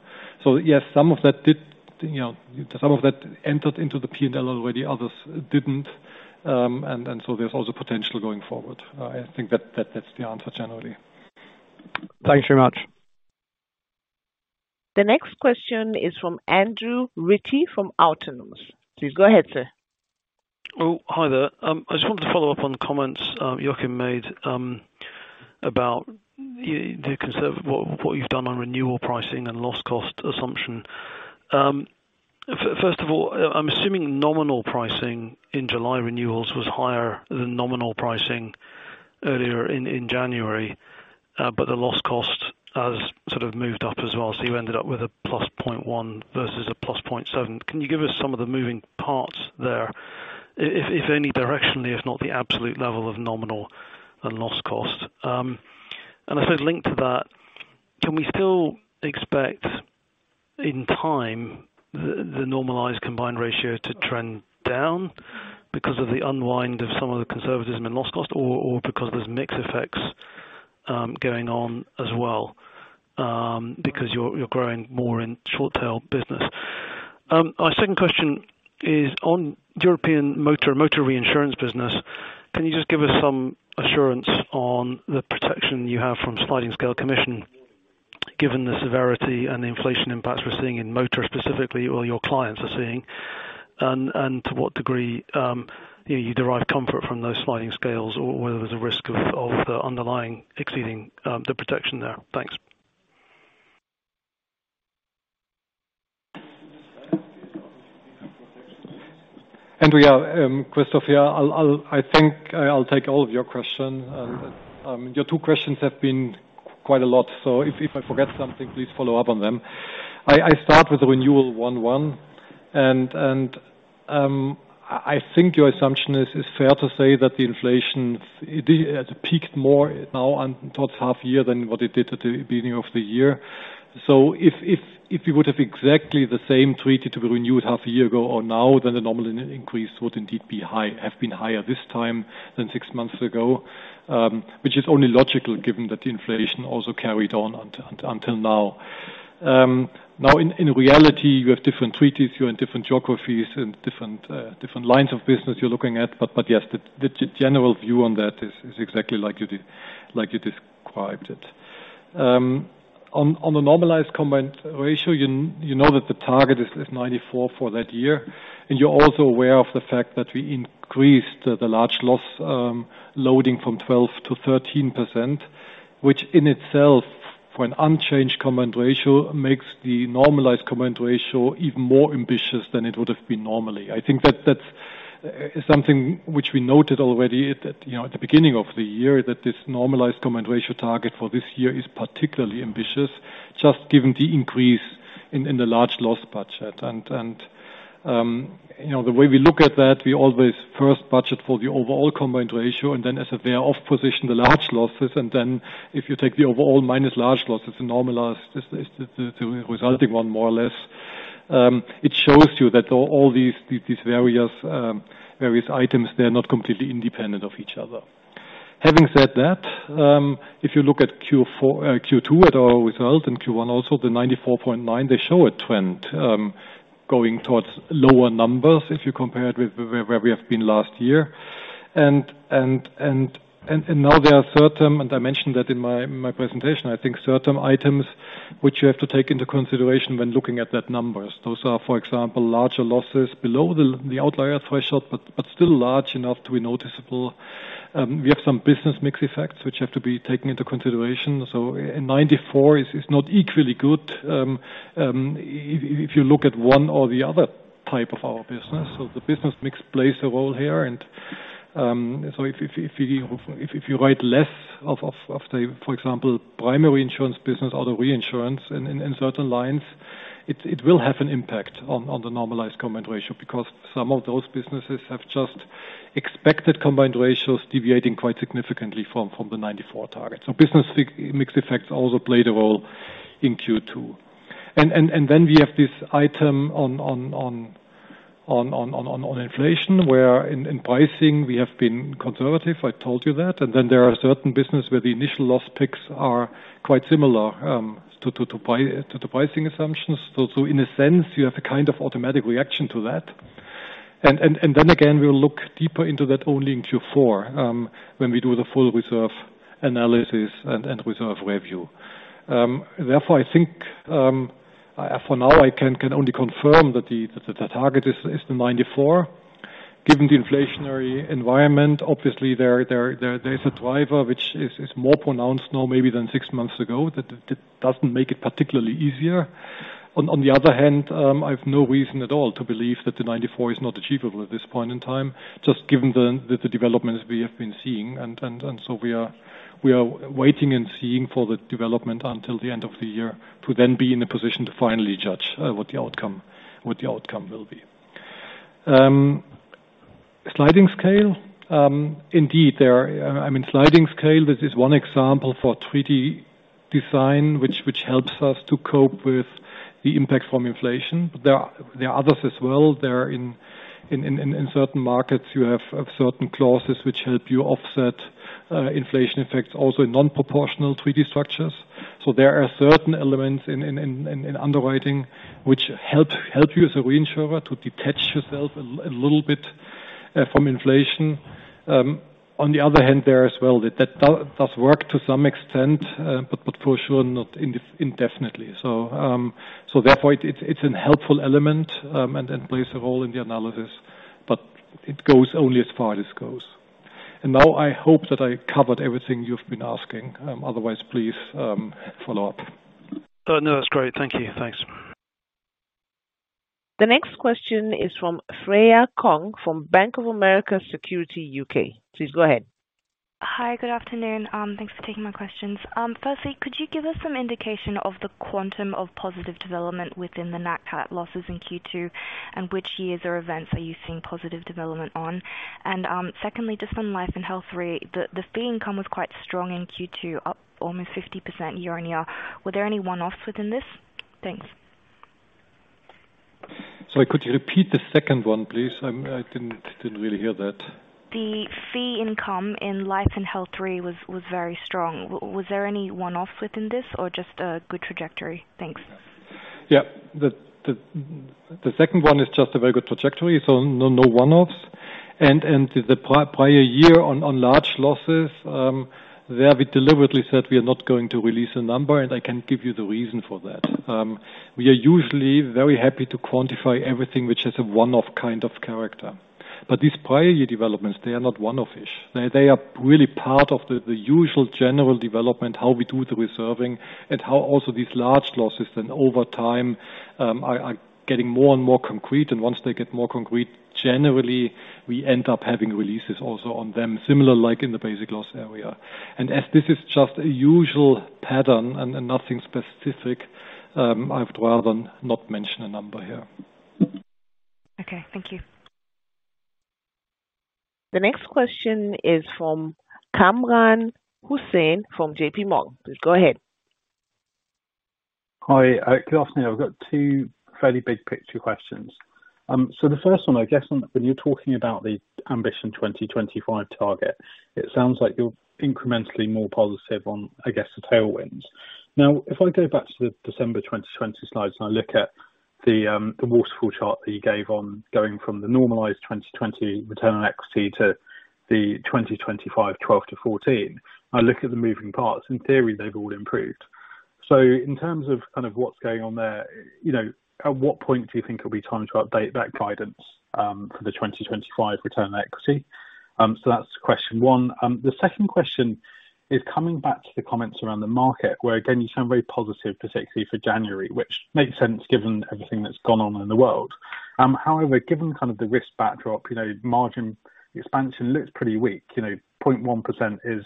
Yes, some of that did, you know, some of that entered into the P&L already, others didn't. There's also potential going forward. I think that's the answer generally. Thank you very much. The next question is from Andrew Ritchie from Autonomous. Please go ahead, sir. Oh, hi there. I just wanted to follow up on comments Joachim made about what you've done on renewal pricing and loss cost assumption. First of all, I'm assuming nominal pricing in July renewals was higher than nominal pricing earlier in January, but the loss cost has sort of moved up as well. You ended up with a +0.1 versus a +0.7. Can you give us some of the moving parts there? If any directionally, if not the absolute level of nominal and loss cost. I said linked to that, can we still expect in time the normalized combined ratio to trend down because of the unwind of some of the conservatism in loss cost or because there's mix effects going on as well because you're growing more in short tail business? Our second question is on European motor reinsurance business. Can you just give us some assurance on the protection you have from sliding scale commission, given the severity and the inflation impacts we're seeing in motor specifically or your clients are seeing? To what degree you derive comfort from those sliding scales, or whether there's a risk of underwriting exceeding the protection there? Thanks. Andrew, yeah, Christoph, I think I'll take all of your question. Your two questions have been quite a lot. If I forget something, please follow up on them. I start with renewal January 1. I think your assumption is fair to say that the inflation, it had peaked more now or towards half year than what it did at the beginning of the year. If you would have exactly the same treaty to be renewed half a year ago or now, then the nominal increase would indeed have been higher this time than six months ago, which is only logical given that the inflation also carried on until now. Now in reality, you have different treaties, you're in different geographies and different lines of business you're looking at. Yes, the general view on that is exactly like you described it. On a normalized combined ratio, you know that the target is 94 for that year, and you're also aware of the fact that we increased the large loss loading from 12%-13%, which in itself, for an unchanged combined ratio, makes the normalized combined ratio even more ambitious than it would have been normally. I think that's something which we noted already at, you know, at the beginning of the year, that this normalized combined ratio target for this year is particularly ambitious, just given the increase in the large loss budget. You know, the way we look at that, we always first budget for the overall combined ratio and then as a way of positioning the large losses. Then if you take the overall minus large losses, the normalized, the resulting one more or less, it shows you that all these various items, they're not completely independent of each other. Having said that, if you look at Q2 at our result, in Q1 also, the 94.9%, they show a trend going towards lower numbers if you compare it with where we have been last year. Now there are certain, and I mentioned that in my presentation, I think certain items which you have to take into consideration when looking at those numbers. Those are, for example, larger losses below the outlier threshold, but still large enough to be noticeable. We have some business mix effects which have to be taken into consideration. 94 is not equally good if you look at one or the other type of our business. The business mix plays a role here. If you write less of the, for example, primary insurance business or the reinsurance in certain lines, it will have an impact on the normalized combined ratio because some of those businesses have just expected combined ratios deviating quite significantly from the 94 target. Business mix effects also played a role in Q2. Then we have this item on inflation, where in pricing we have been conservative, I told you that. There are certain business where the initial loss picks are quite similar to the pricing assumptions. In a sense, you have a kind of automatic reaction to that. We'll look deeper into that only in Q4, when we do the full reserve analysis and reserve review. Therefore I think, for now, I can only confirm that the target is the 94. Given the inflationary environment, obviously there is a driver which is more pronounced now maybe than six months ago, that doesn't make it particularly easier. On the other hand, I've no reason at all to believe that the 94% is not achievable at this point in time, just given the developments we have been seeing. We are waiting and seeing for the development until the end of the year to then be in a position to finally judge what the outcome will be. Sliding scale. Indeed, there are. I mean, sliding scale, this is one example for treaty design, which helps us to cope with the impact from inflation. There are others as well. There are in certain markets you have certain clauses which help you offset inflation effects also in non-proportional treaty structures. There are certain elements in underwriting which help you as a reinsurer to detach yourself a little bit from inflation. On the other hand, there as well that does work to some extent, but for sure not indefinitely. Therefore it's a helpful element, and it plays a role in the analysis, but it goes only as far as it goes. Now I hope that I covered everything you've been asking. Otherwise, please follow up. Oh, no, that's great. Thank you. Thanks. The next question is from Freya Kong from Bank of America Securities U.K. Please go ahead. Hi, good afternoon. Thanks for taking my questions. Firstly, could you give us some indication of the quantum of positive development within the NatCat losses in Q2, and which years or events are you seeing positive development on? Secondly, just on Life & Health Re, the fee income was quite strong in Q2, up almost 50% year-on-year. Were there any one-offs within this? Thanks. Sorry, could you repeat the second one, please? I didn't really hear that. The fee income in Life & Health Re was very strong. Was there any one-off within this or just a good trajectory? Thanks. Yeah. The second one is just a very good trajectory, so no one-offs. The prior year on large losses, there we deliberately said we are not going to release a number, and I can give you the reason for that. We are usually very happy to quantify everything which has a one-off kind of character. These prior year developments, they are not one-off-ish. They are really part of the usual general development, how we do the reserving, and how also these large losses then over time are getting more and more concrete. Once they get more concrete, generally we end up having releases also on them, similar like in the basic loss area. This is just a usual pattern and nothing specific, I'd rather not mention a number here. Okay, thank you. The next question is from Kamran Hossain from JPMorgan. Please go ahead. Hi, good afternoon. I've got two fairly big picture questions. The first one, I guess on when you're talking about the Ambition 2025 target, it sounds like you're incrementally more positive on, I guess, the tailwinds. Now, if I go back to the December 2020 slides, and I look at the waterfall chart that you gave on going from the normalized 2020 return on equity to the 2025 12%-14%. I look at the moving parts. In theory, they've all improved. In terms of kind of what's going on there, you know, at what point do you think it'll be time to update that guidance for the 2025 return on equity? That's question one. The second question is coming back to the comments around the market, where again you sound very positive, particularly for January, which makes sense given everything that's gone on in the world. However, given kind of the risk backdrop, you know, margin expansion looks pretty weak. You know, 0.1% is,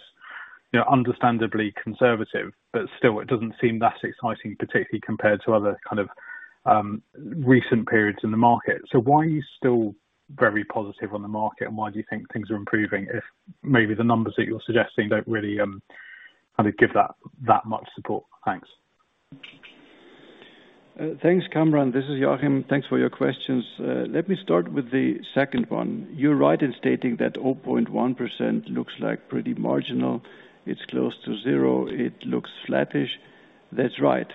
you know, understandably conservative, but still it doesn't seem that exciting, particularly compared to other kind of recent periods in the market. Why are you still very positive on the market, and why do you think things are improving if maybe the numbers that you're suggesting don't really kind of give that much support? Thanks. Thanks, Kamran. This is Joachim. Thanks for your questions. Let me start with the second one. You're right in stating that 0.1% looks like pretty marginal. It's close to zero. It looks flattish. That's right.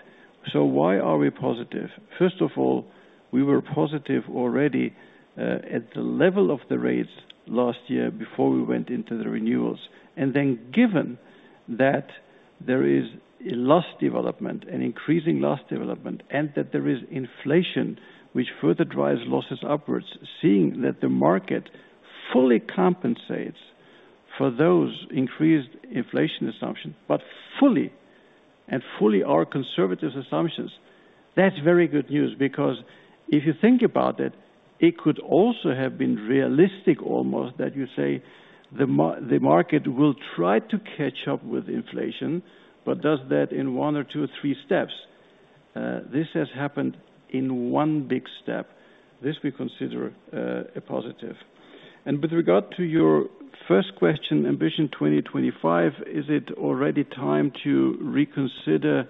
Why are we positive? First of all, we were positive already at the level of the rates last year before we went into the renewals. Given that there is a loss development, an increasing loss development, and that there is inflation which further drives losses upwards, seeing that the market fully compensates for those increased inflation assumptions, but fully and fully our conservative assumptions, that's very good news. Because if you think about it could also have been realistic, almost that you say the market will try to catch up with inflation, but does that in one or two or three steps. This has happened in one big step. This we consider a positive. With regard to your first question, Ambition 2025, is it already time to reconsider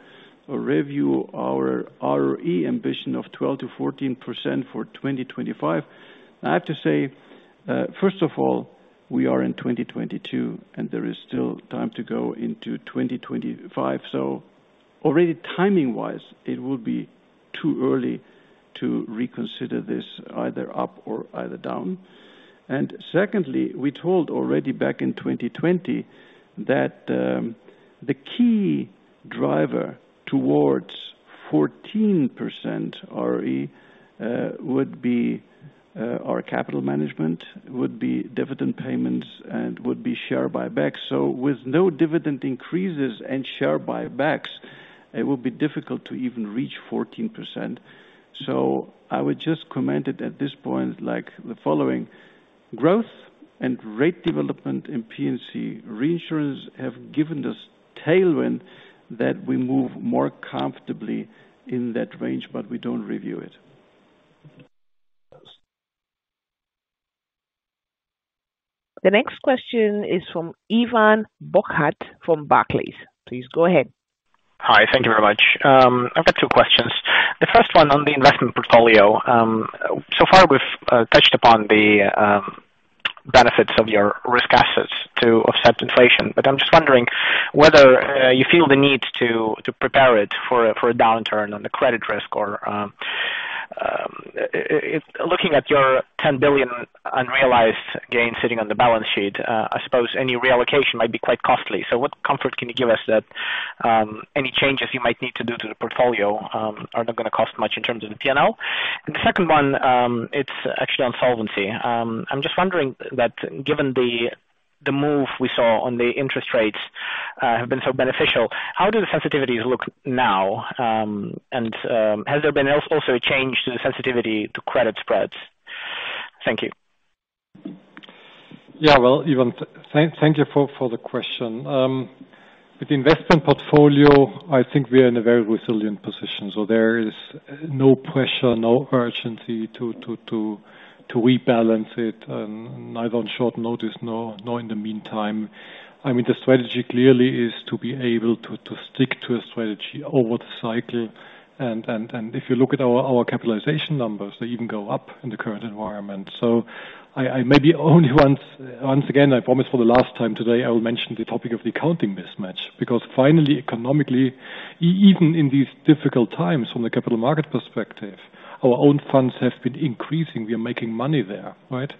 or review our ROE ambition of 12%-14% for 2025? I have to say, first of all, we are in 2022, and there is still time to go into 2025. Already timing wise, it would be too early to reconsider this either up or either down. Secondly, we told already back in 2020 that, the key driver towards 14% ROE, would be, our capital management, would be dividend payments, and would be share buybacks. I would just comment it at this point, like the following. Growth and rate development in P&C Reinsurance have given this tailwind that we move more comfortably in that range, but we don't review it. The next question is from Ivan Bokhmat from Barclays. Please go ahead. Hi. Thank you very much. I've got two questions. The first one on the investment portfolio. So far we've touched upon the benefits of your risk assets to offset inflation. I'm just wondering whether you feel the need to prepare it for a downturn on the credit risk or if looking at your 10 billion unrealized gains sitting on the balance sheet I suppose any reallocation might be quite costly. What comfort can you give us that any changes you might need to do to the portfolio are not going to cost much in terms of the P&L? The second one it's actually on solvency. I'm just wondering that given the move we saw on the interest rates have been so beneficial how do the sensitivities look now? Has there been also a change to the sensitivity to credit spreads? Thank you. Yeah. Well, Evan, thank you for the question. With the investment portfolio, I think we are in a very resilient position. There is no pressure, no urgency to rebalance it, neither on short notice nor in the meantime. I mean, the strategy clearly is to be able to stick to a strategy over the cycle. If you look at our capitalization numbers, they even go up in the current environment. I maybe only once again, I promise for the last time today, I will mention the topic of the accounting mismatch. Because finally, economically, even in these difficult times from the capital market perspective, our own funds have been increasing. We are making money there, right?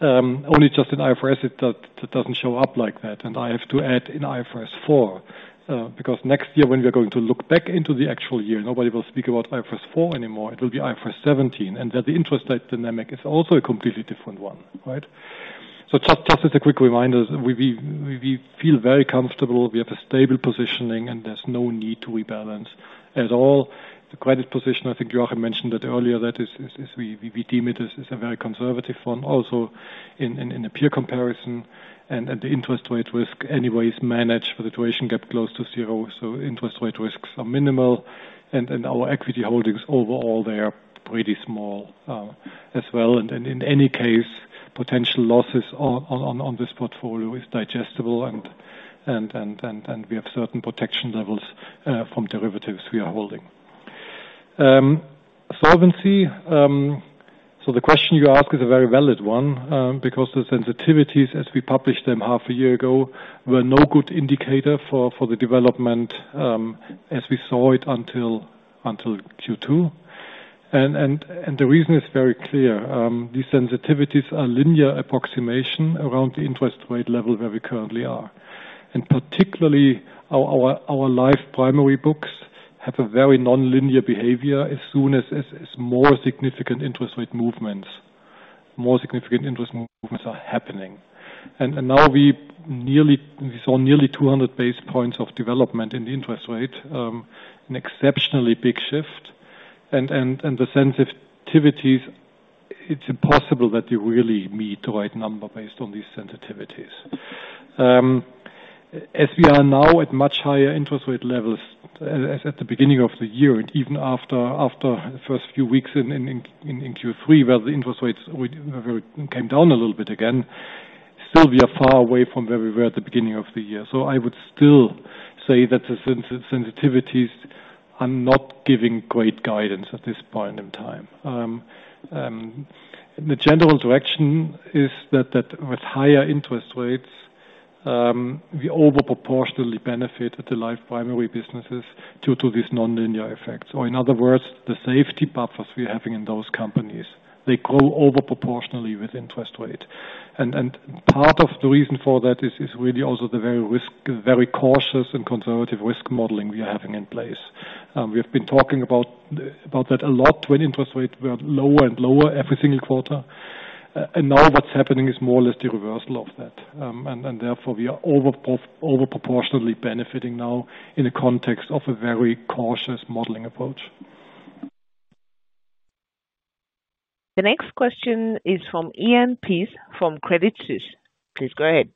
Only just in IFRS it doesn't show up like that. I have to add in IFRS 4, because next year, when we are going to look back into the actual year, nobody will speak about IFRS 4 anymore. It will be IFRS 17. That the interest rate dynamic is also a completely different one, right? So just as a quick reminder, we feel very comfortable. We have a stable positioning, and there's no need to rebalance at all. The credit position, I think Joachim mentioned it earlier. That is we deem it as a very conservative one also in a peer comparison. The interest rate risk anyway is managed for the duration gap close to zero. So interest rate risks are minimal. Our equity holdings overall, they are pretty small as well. In any case, potential losses on this portfolio is digestible and we have certain protection levels from derivatives we are holding. Solvency, so the question you ask is a very valid one, because the sensitivities as we published them half a year ago, were no good indicator for the development, as we saw it until Q2. The reason is very clear. These sensitivities are linear approximation around the interest rate level where we currently are. Particularly our life primary books have a very nonlinear behavior as soon as more significant interest rate movements are happening. Now we saw nearly 200 basis points of development in the interest rate, an exceptionally big shift. The sensitivities, it's impossible that you really meet the right number based on these sensitivities. As we are now at much higher interest rate levels as at the beginning of the year, and even after the first few weeks in Q3, where the interest rates already came down a little bit again, still we are far away from where we were at the beginning of the year. I would still say that the sensitivities I'm not giving great guidance at this point in time. The general direction is that with higher interest rates, we over proportionally benefit the life primary businesses due to these nonlinear effects. In other words, the safety buffers we're having in those companies, they grow over proportionally with interest rate. Part of the reason for that is really also the very risk-averse, very cautious and conservative risk modeling we are having in place. We have been talking about that a lot when interest rates were lower and lower every single quarter. Now what's happening is more or less the reversal of that. Therefore we are over proportionally benefiting now in the context of a very cautious modeling approach. The next question is from Iain Pearce from Credit Suisse. Please go ahead.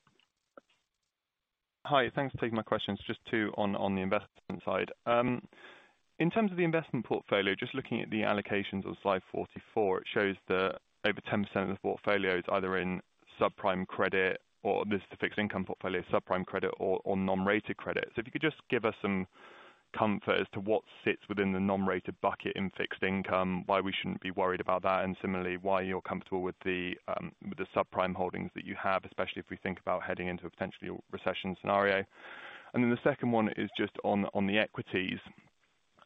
Hi. Thanks for taking my questions. Just two on the investment side. In terms of the investment portfolio, just looking at the allocations on slide 44, it shows that over 10% of the portfolio is either in subprime credit or non-rated credit. If you could just give us some comfort as to what sits within the non-rated bucket in fixed income, why we shouldn't be worried about that, and similarly why you're comfortable with the subprime holdings that you have, especially if we think about heading into a potentially recession scenario. The second one is just on the equities.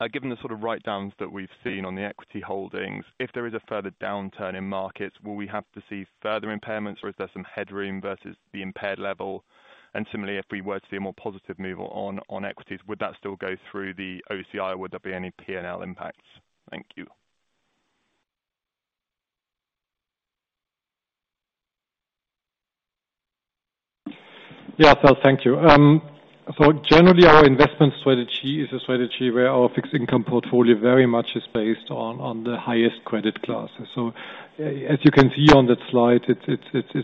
Given the sort of write-downs that we've seen on the equity holdings, if there is a further downturn in markets, will we have to see further impairments or is there some headroom versus the impaired level? Similarly, if we were to see a more positive move on equities, would that still go through the OCI or would there be any P&L impacts? Thank you. Yeah. Thank you. Generally our investment strategy is a strategy where our fixed income portfolio very much is based on the highest credit classes. As you can see on that slide, it's,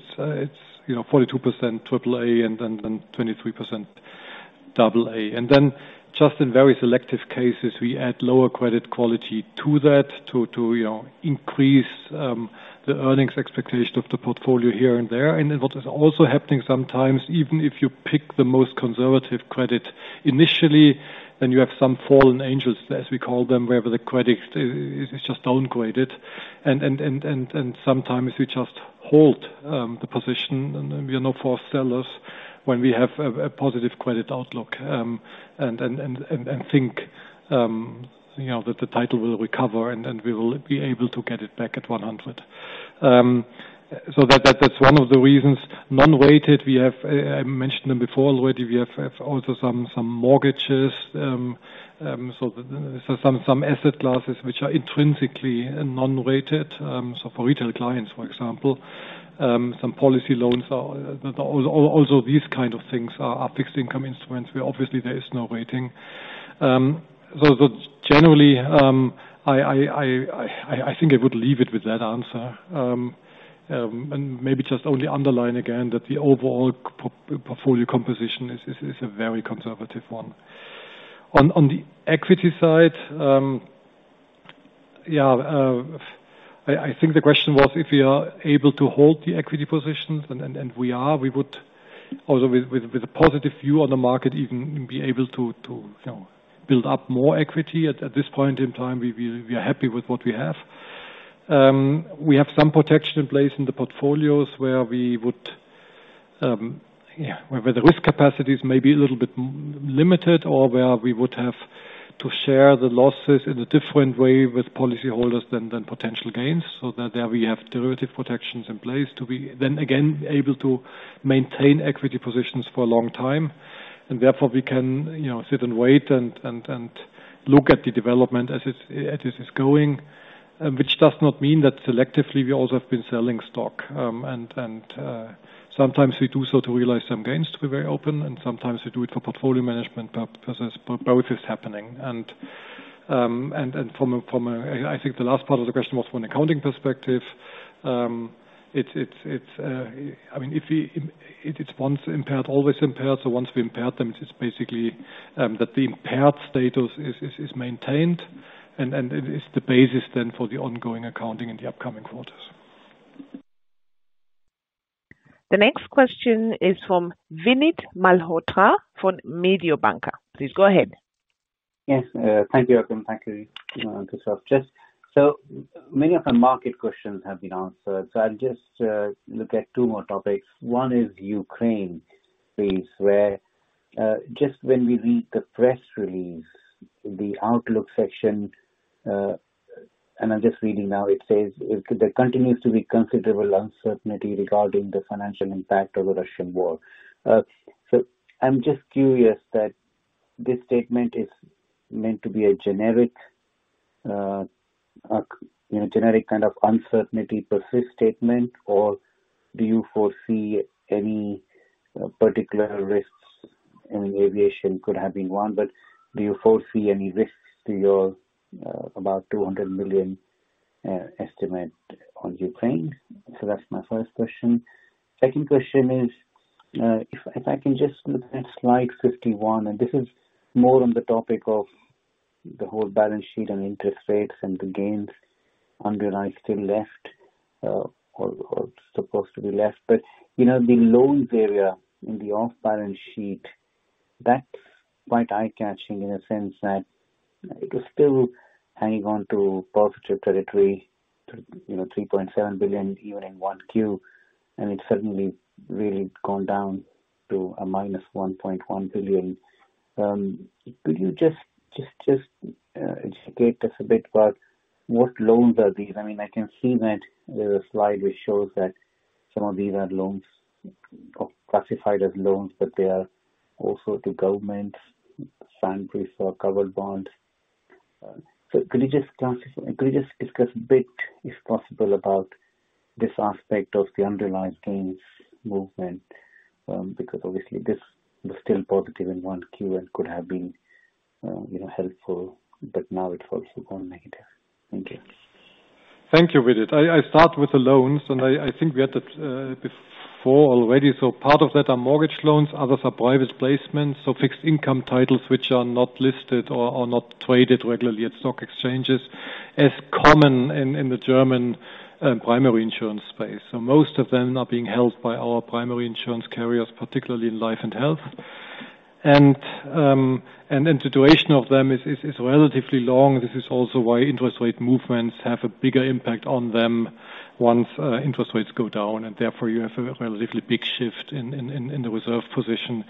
you know, 42% AAA and 23% AA. Then just in very selective cases, we add lower credit quality to that to increase the earnings expectation of the portfolio here and there. Then what is also happening sometimes, even if you pick the most conservative credit initially, you have some fallen angels, as we call them, where the credit is just downgraded. Sometimes we just hold the position and we are not sellers when we have a positive credit outlook and think you know that the title will recover and we will be able to get it back at 100. That's one of the reasons. Non-rated, we have. I mentioned them before already. We have also some mortgages. Some asset classes which are intrinsically non-rated. For retail clients, for example, some policy loans. Also these kind of things are fixed income instruments where obviously there is no rating. Generally, I think I would leave it with that answer. Maybe just only underline again that the overall portfolio composition is a very conservative one. On the equity side, I think the question was if we are able to hold the equity positions and we are. We would also with a positive view on the market even be able to, you know, build up more equity. At this point in time, we are happy with what we have. We have some protection in place in the portfolios where we would, where the risk capacity is maybe a little bit limited or where we would have to share the losses in a different way with policy holders than potential gains. That there we have derivative protections in place to be then again able to maintain equity positions for a long time. Therefore we can, you know, sit and wait and look at the development as it's, as it is going. Which does not mean that selectively we also have been selling stock. And sometimes we do so to realize some gains to be very open, and sometimes we do it for portfolio management purposes. Both is happening. And from a, from a I think the last part of the question was from an accounting perspective. It's, I mean, it's once impaired, always impaired. Once we impaired them, it's basically that the impaired status is maintained and it is the basis then for the ongoing accounting in the upcoming quarters. The next question is from Vinit Malhotra from Mediobanca. Please go ahead. Yes. Thank you. Thank you, Christoph. Just so many of the market questions have been answered. I'll just look at two more topics. One is Ukraine, please, where just when we read the press release, the outlook section, and I'm just reading now, it says, "There continues to be considerable uncertainty regarding the financial impact of the Russian war." I'm just curious that this statement is meant to be a generic, you know, generic kind of uncertainty persist statement or do you foresee any particular risks in aviation could have been one, but do you foresee any risks to your about 200 million estimate on Ukraine? That's my first question. Second question is, if I can just look at slide 51, and this is more on the topic of the whole balance sheet and interest rates and the gains underlying still left, or supposed to be left. You know, the loans area in the off-balance sheet, that's quite eye-catching in a sense that it was still hanging on to positive territory, you know, 3.7 billion even in 1Q, and it suddenly really gone down to -1.1 billion. Could you just educate us a bit about what loans are these? I mean, I can see that there's a slide which shows that some of these are loans or classified as loans, but they are also the government's and proof for covered bonds. Could you just discuss a bit, if possible, about this aspect of the underlying gains movement? Because obviously this was still positive in 1Q and could have been, you know, helpful, but now it's also gone negative. Thank you. Thank you, Vinit. I start with the loans, and I think we had that before already. Part of that are mortgage loans, others are private placements, so fixed income titles which are not listed or not traded regularly at stock exchanges, as common in the German primary insurance space. Most of them are being held by our primary insurance carriers, particularly in Life & Health. The duration of them is relatively long. This is also why interest rate movements have a bigger impact on them once interest rates go down, and therefore you have a relatively big shift in the reserve position.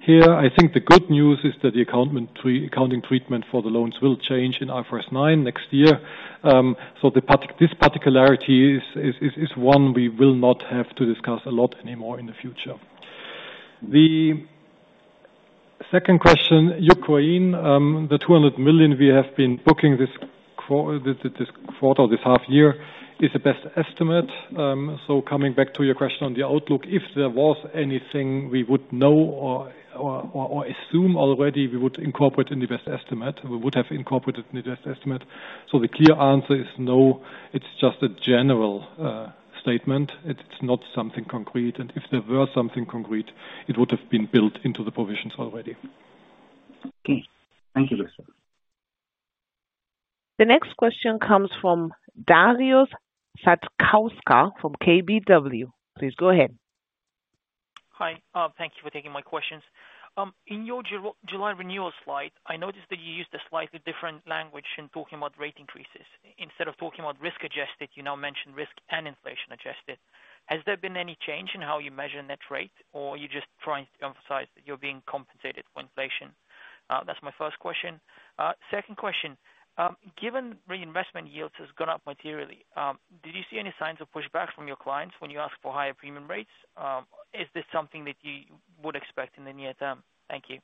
Here, I think the good news is that the accounting treatment for the loans will change in IFRS 9 next year. The particularity is one we will not have to discuss a lot anymore in the future. The second question, Ukraine. The 200 million we have been booking this quarter or this half year is the best estimate. Coming back to your question on the outlook, if there was anything we would know or assume already, we would incorporate in the best estimate. We would have incorporated in the best estimate. The clear answer is no. It's just a general statement. It's not something concrete. If there were something concrete, it would have been built into the provisions already. Okay. Thank you. You're welcome. The next question comes from Darius Satkauskas from KBW. Please go ahead. Hi. Thank you for taking my questions. In your July renewal slide, I noticed that you used a slightly different language in talking about rate increases. Instead of talking about risk-adjusted, you now mention risk and inflation-adjusted. Has there been any change in how you measure net rate, or are you just trying to emphasize that you're being compensated for inflation? That's my first question. Second question. Given reinvestment yields has gone up materially, did you see any signs of pushback from your clients when you ask for higher premium rates? Is this something that you would expect in the near term? Thank you.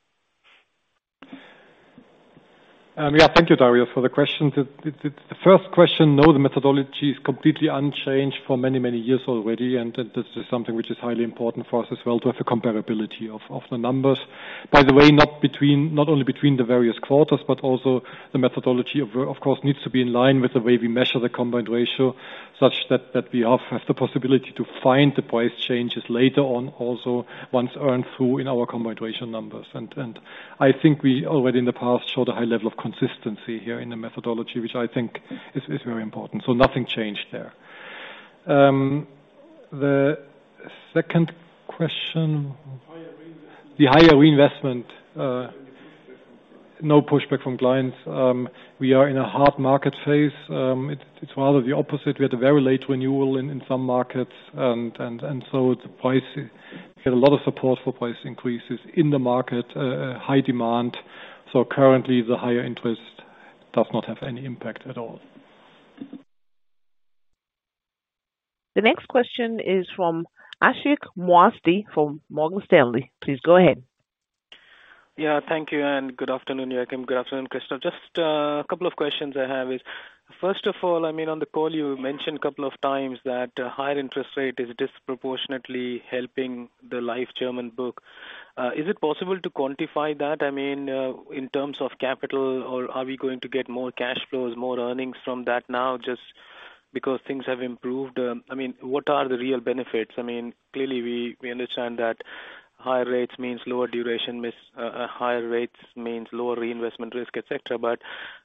Yeah, thank you, Darius, for the question. The first question, the methodology is completely unchanged for many, many years already, and this is something which is highly important for us as well to have the comparability of the numbers. By the way, not only between the various quarters, but also the methodology of course needs to be in line with the way we measure the combined ratio, such that we have the possibility to find the price changes later on also once earned through in our combined ratio numbers. I think we already in the past showed a high level of consistency here in the methodology, which I think is very important. So nothing changed there. The second question. Higher reinvestment. The higher reinvestment. No pushback from clients. We are in a hot market phase. It's rather the opposite. We had a very late renewal in some markets. The price, we get a lot of support for price increases in the market, high demand. Currently, the higher interest does not have any impact at all. The next question is from Ashik Musaddi from Morgan Stanley. Please go ahead. Yeah. Thank you, and good afternoon, Joachim. Good afternoon, Christoph. Just a couple of questions I have is, first of all, I mean, on the call, you mentioned a couple of times that higher interest rate is disproportionately helping the life German book. Is it possible to quantify that? I mean, in terms of capital or are we going to get more cash flows, more earnings from that now just because things have improved? I mean, what are the real benefits? I mean, clearly, we understand that higher rates means lower duration risk, higher rates means lower reinvestment risk, et cetera. But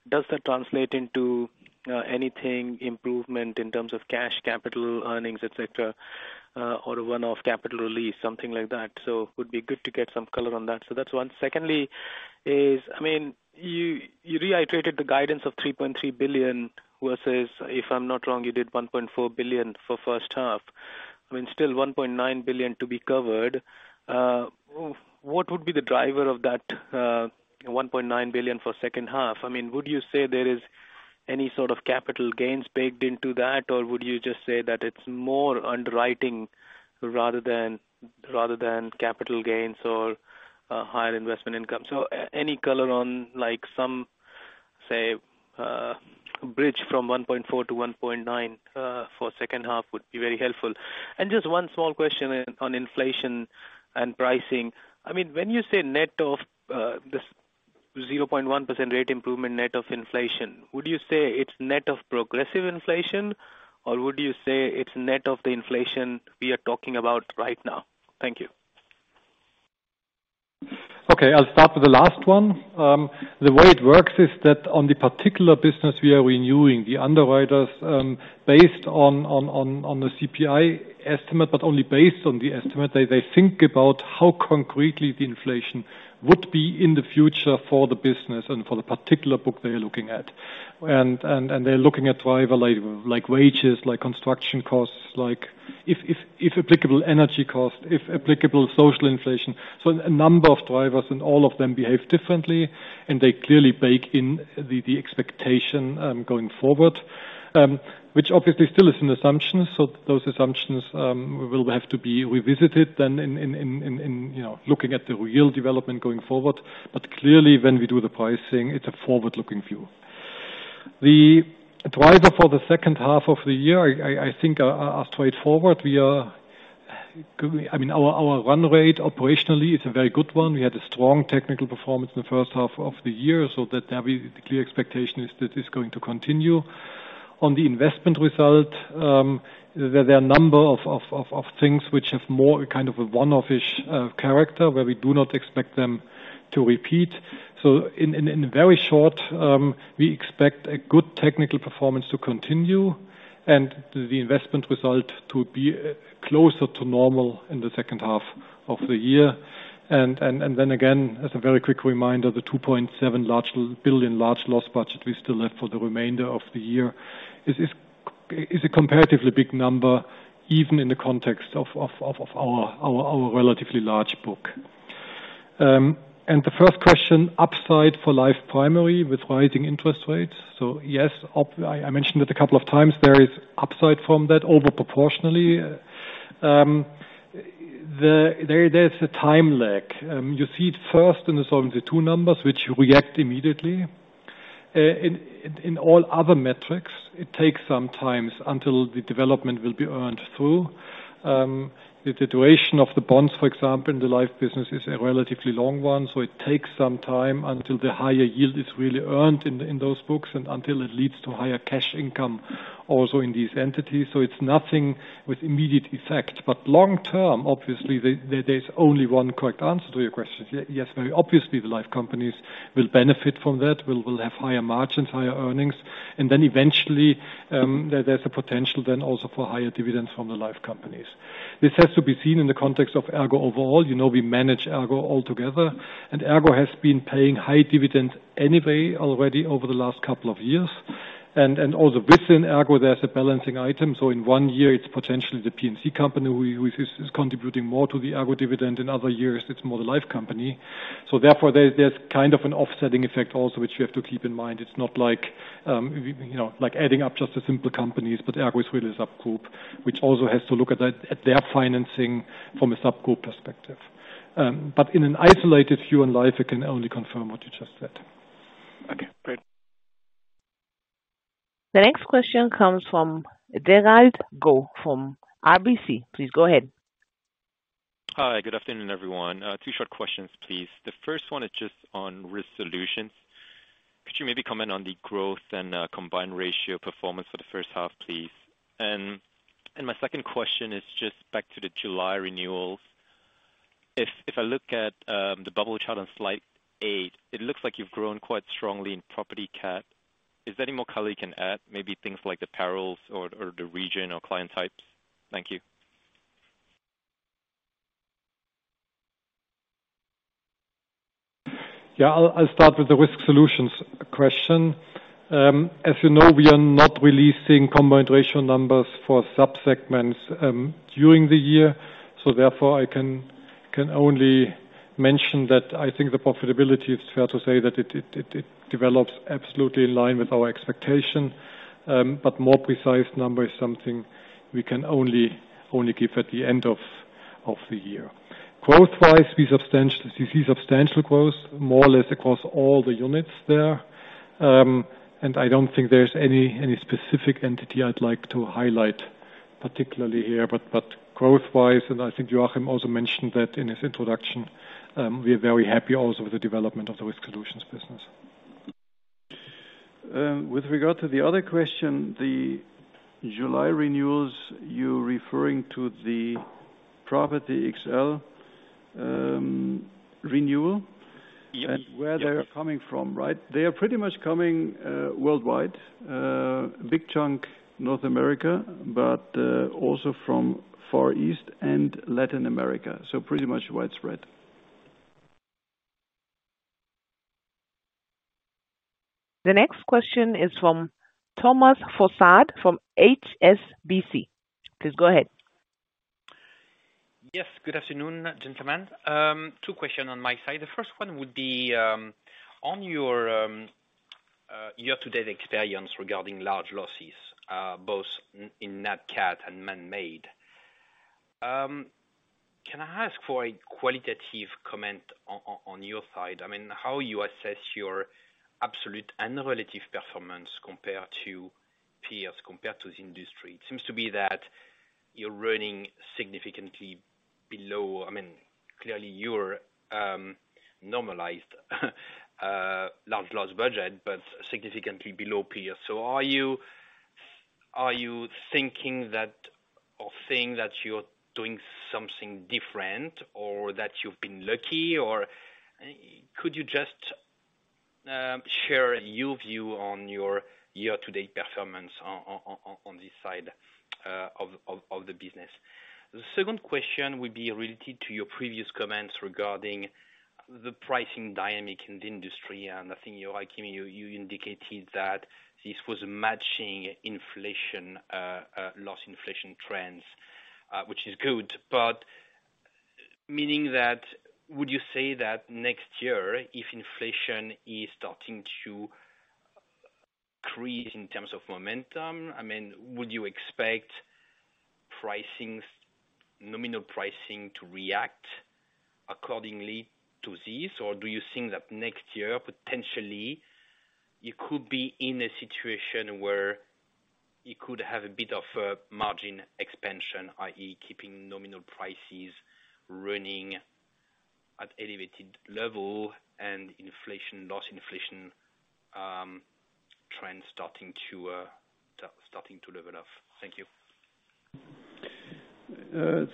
does that translate into any improvement in terms of cash, capital, earnings, et cetera, or a one-off capital release, something like that? It would be good to get some color on that. That's one. Second, I mean, you reiterated the guidance of 3.3 billion versus, if I'm not wrong, you did 1.4 billion for first half. I mean, still 1.9 billion to be covered. What would be the driver of that 1.9 billion for second half? I mean, would you say there is any sort of capital gains baked into that? Or would you just say that it's more underwriting rather than capital gains or higher investment income? Any color on, like, some bridge from 1.4 billion-1.9 billion for second half would be very helpful. Just one small question on inflation and pricing. I mean, when you say net of, the 0.1% Rate improvement net of inflation, would you say it's net of progressive inflation, or would you say it's net of the inflation we are talking about right now? Thank you. Okay, I'll start with the last one. The way it works is that on the particular business we are renewing the underwriters based on the CPI estimate, but only based on the estimate. They think about how concretely the inflation would be in the future for the business and for the particular book they are looking at. They're looking at driver labor, like wages, like construction costs, like if applicable, energy costs, if applicable, social inflation. A number of drivers and all of them behave differently, and they clearly bake in the expectation going forward, which obviously still is an assumption. Those assumptions will have to be revisited then, you know, looking at the real development going forward. Clearly when we do the pricing, it's a forward-looking view. The driver for the second half of the year, I think, are straightforward. I mean, our run rate operationally is a very good one. We had a strong technical performance in the first half of the year. The clear expectation is that it's going to continue. On the investment result, there are a number of things which have more kind of a one-off-ish character, where we do not expect them to repeat. In very short, we expect a good technical performance to continue and the investment result to be closer to normal in the second half of the year. Then again, as a very quick reminder, the 2.7 billion large loss budget we still have for the remainder of the year is a comparatively big number, even in the context of our relatively large book. The first question, upside for life primary with rising interest rates. Yes, I mentioned it a couple of times. There is upside from that over proportionally. There's a time lag. You see it first in the Solvency II numbers, which react immediately. In all other metrics, it takes some time until the development will be earned through. The situation of the bonds, for example, in the life business is a relatively long one, so it takes some time until the higher yield is really earned in those books and until it leads to higher cash income also in these entities. It's nothing with immediate effect. Long term, obviously, there's only one correct answer to your question. Yes, very obviously the life companies will benefit from that. We'll have higher margins, higher earnings, and then eventually, there's a potential then also for higher dividends from the life companies. This has to be seen in the context of ERGO overall. You know, we manage ERGO all together, and ERGO has been paying high dividends anyway already over the last couple of years. Also within ERGO, there's a balancing item. In one year, it's potentially the P&C company which is contributing more to the ERGO dividend. In other years, it's more the life company. Therefore, there's kind of an offsetting effect also, which you have to keep in mind. It's not like, you know, like adding up just the simple companies, but ERGO is really a sub-group, which also has to look at their financing from a sub-group perspective. In an isolated view in life, we can only confirm what you just said. Okay, great. The next question comes from Derald Goh from RBC. Please go ahead. Hi, good afternoon, everyone. Two short questions, please. The first one is just on Risk Solutions. Could you maybe comment on the growth and combined ratio performance for the first half, please? My second question is just back to the July renewals. If I look at the bubble chart on slide eight, it looks like you've grown quite strongly in property cat. Is there any more color you can add? Maybe things like the perils or the region or client types? Thank you. Yeah, I'll start with the Risk Solutions question. As you know, we are not releasing combined ratio numbers for sub-segments during the year. So therefore, I can only mention that I think the profitability, it's fair to say that it develops absolutely in line with our expectation, but more precise number is something we can only give at the end of the year. Growth-wise, you see substantial growth more or less across all the units there. I don't think there's any specific entity I'd like to highlight particularly here. But growth-wise, and I think Joachim also mentioned that in his introduction, we are very happy also with the development of the Risk Solutions business. With regard to the other question, the July renewals, you're referring to the Property XL renewal? Yes. Where they are coming from, right? They are pretty much coming worldwide. Big chunk North America, but also from Far East and Latin America. Pretty much widespread. The next question is from Thomas Fossard from HSBC. Please go ahead. Yes, good afternoon, gentlemen. Two questions on my side. The first one would be on your year-to-date experience regarding large losses, both in NatCat and man-made. Can I ask for a qualitative comment on your side? I mean, how you assess your absolute and relative performance compared to peers, compared to the industry. It seems to be that you're running significantly below, I mean, clearly your normalized large loss budget, but significantly below peers. Are you thinking that or saying that you're doing something different or that you've been lucky? Or could you just share your view on your year-to-date performance on this side of the business? The second question would be related to your previous comments regarding the pricing dynamic in the industry. I think you indicated that this was matching inflation, loss inflation trends, which is good. Meaning that, would you say that next year, if inflation is starting to accelerate in terms of momentum, I mean, would you expect pricing, nominal pricing to react accordingly to this? Or do you think that next year, potentially, you could be in a situation where you could have a bit of a margin expansion, i.e., keeping nominal prices running at elevated level and inflation, loss inflation, trend starting to level off? Thank you.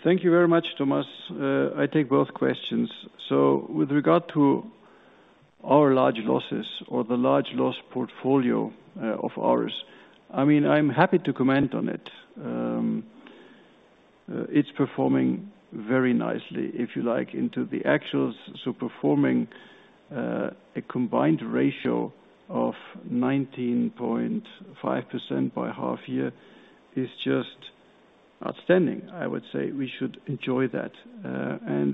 Thank you very much, Thomas. I take both questions. With regard to our large losses or the large loss portfolio, of ours, I mean, I'm happy to comment on it. It's performing very nicely, if you like, into the actuals. Performing a combined ratio of 19.5% by half year is just outstanding. I would say we should enjoy that.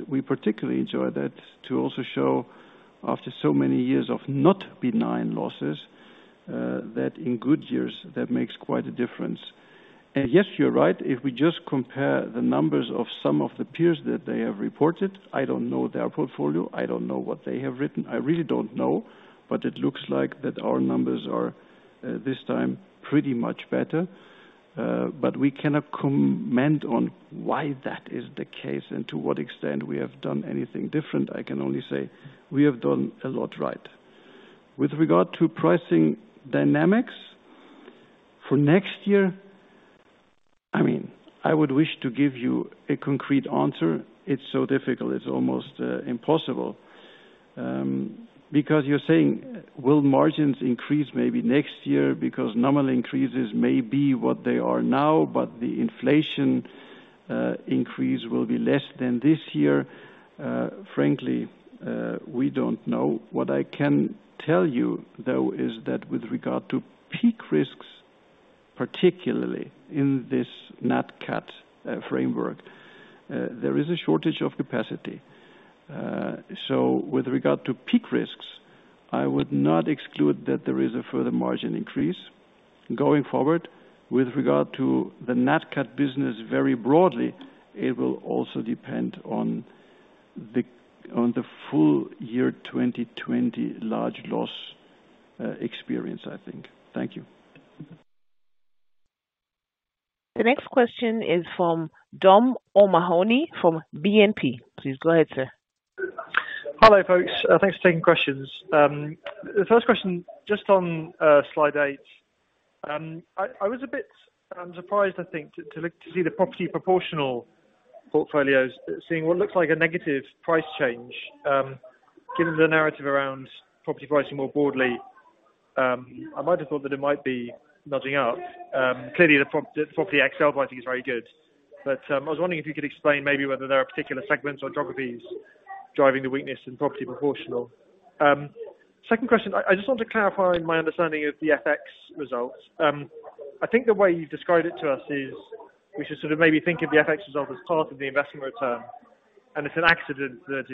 We particularly enjoy that to also show after so many years of not benign losses, that in good years, that makes quite a difference. Yes, you're right. If we just compare the numbers of some of the peers that they have reported, I don't know their portfolio, I don't know what they have written. I really don't know. It looks like that our numbers are this time pretty much better. We cannot comment on why that is the case and to what extent we have done anything different. I can only say we have done a lot right. With regard to pricing dynamics for next year, I mean, I would wish to give you a concrete answer. It's so difficult, it's almost impossible. Because you're saying will margins increase maybe next year because normal increases may be what they are now, but the inflation increase will be less than this year. Frankly, we don't know. What I can tell you, though, is that with regard to peak risks, particularly in this NatCat framework, there is a shortage of capacity. With regard to peak risks, I would not exclude that there is a further margin increase. Going forward, with regard to the NatCat business very broadly, it will also depend on the full year 2020 large loss experience, I think. Thank you. The next question is from Dom O'Mahony from BNP. Please go ahead, sir. Hello, folks. Thanks for taking questions. The first question, just on slide eight. I was a bit surprised, I think, to see the property proportional portfolios, seeing what looks like a negative price change, given the narrative around property pricing more broadly. I might have thought that it might be nudging up. Clearly, the Property XL writing is very good. But I was wondering if you could explain maybe whether there are particular segments or geographies driving the weakness in property proportional. Second question. I just want to clarify my understanding of the FX results. I think the way you described it to us is we should sort of maybe think of the FX result as part of the investment return. And it's an accident that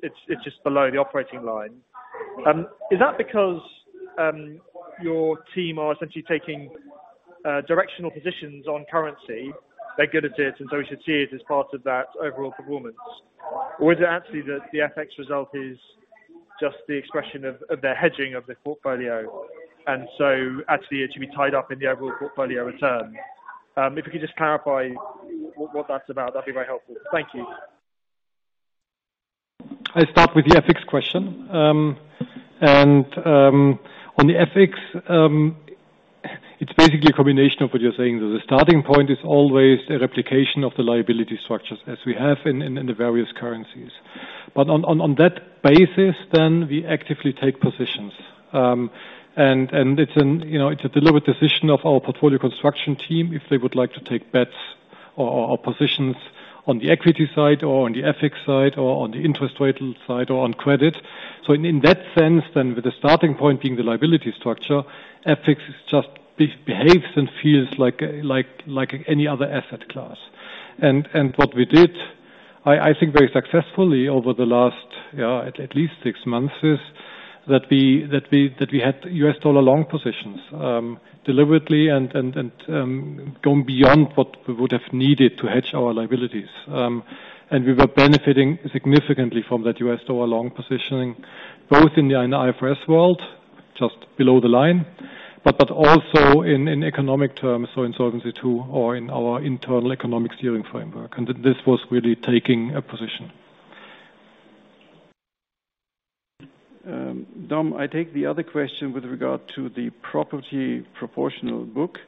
it's just below the operating line. Is that because your team are essentially taking directional positions on currency? They're good at it, and so we should see it as part of that overall performance. Or is it actually that the FX result is just the expression of their hedging of the portfolio? And so actually, it should be tied up in the overall portfolio return. If you could just clarify what that's about, that'd be very helpful. Thank you. I start with the FX question. On the FX, it's basically a combination of what you're saying. The starting point is always a replication of the liability structures as we have in the various currencies. On that basis then, we actively take positions. You know, it's a deliberate decision of our portfolio construction team if they would like to take bets or positions on the equity side or on the FX side or on the interest rate side or on credit. In that sense then, with the starting point being the liability structure, FX just behaves and feels like any other asset class. What we did, I think very successfully over the last at least six months, is that we had U.S. dollar long positions deliberately and going beyond what we would have needed to hedge our liabilities. We were benefiting significantly from that U.S. dollar long positioning, both in the IFRS world, just below the line, but also in economic terms, so in Solvency II or in our internal economic steering framework. This was really taking a position. Dom, I take the other question with regard to the property proportional book.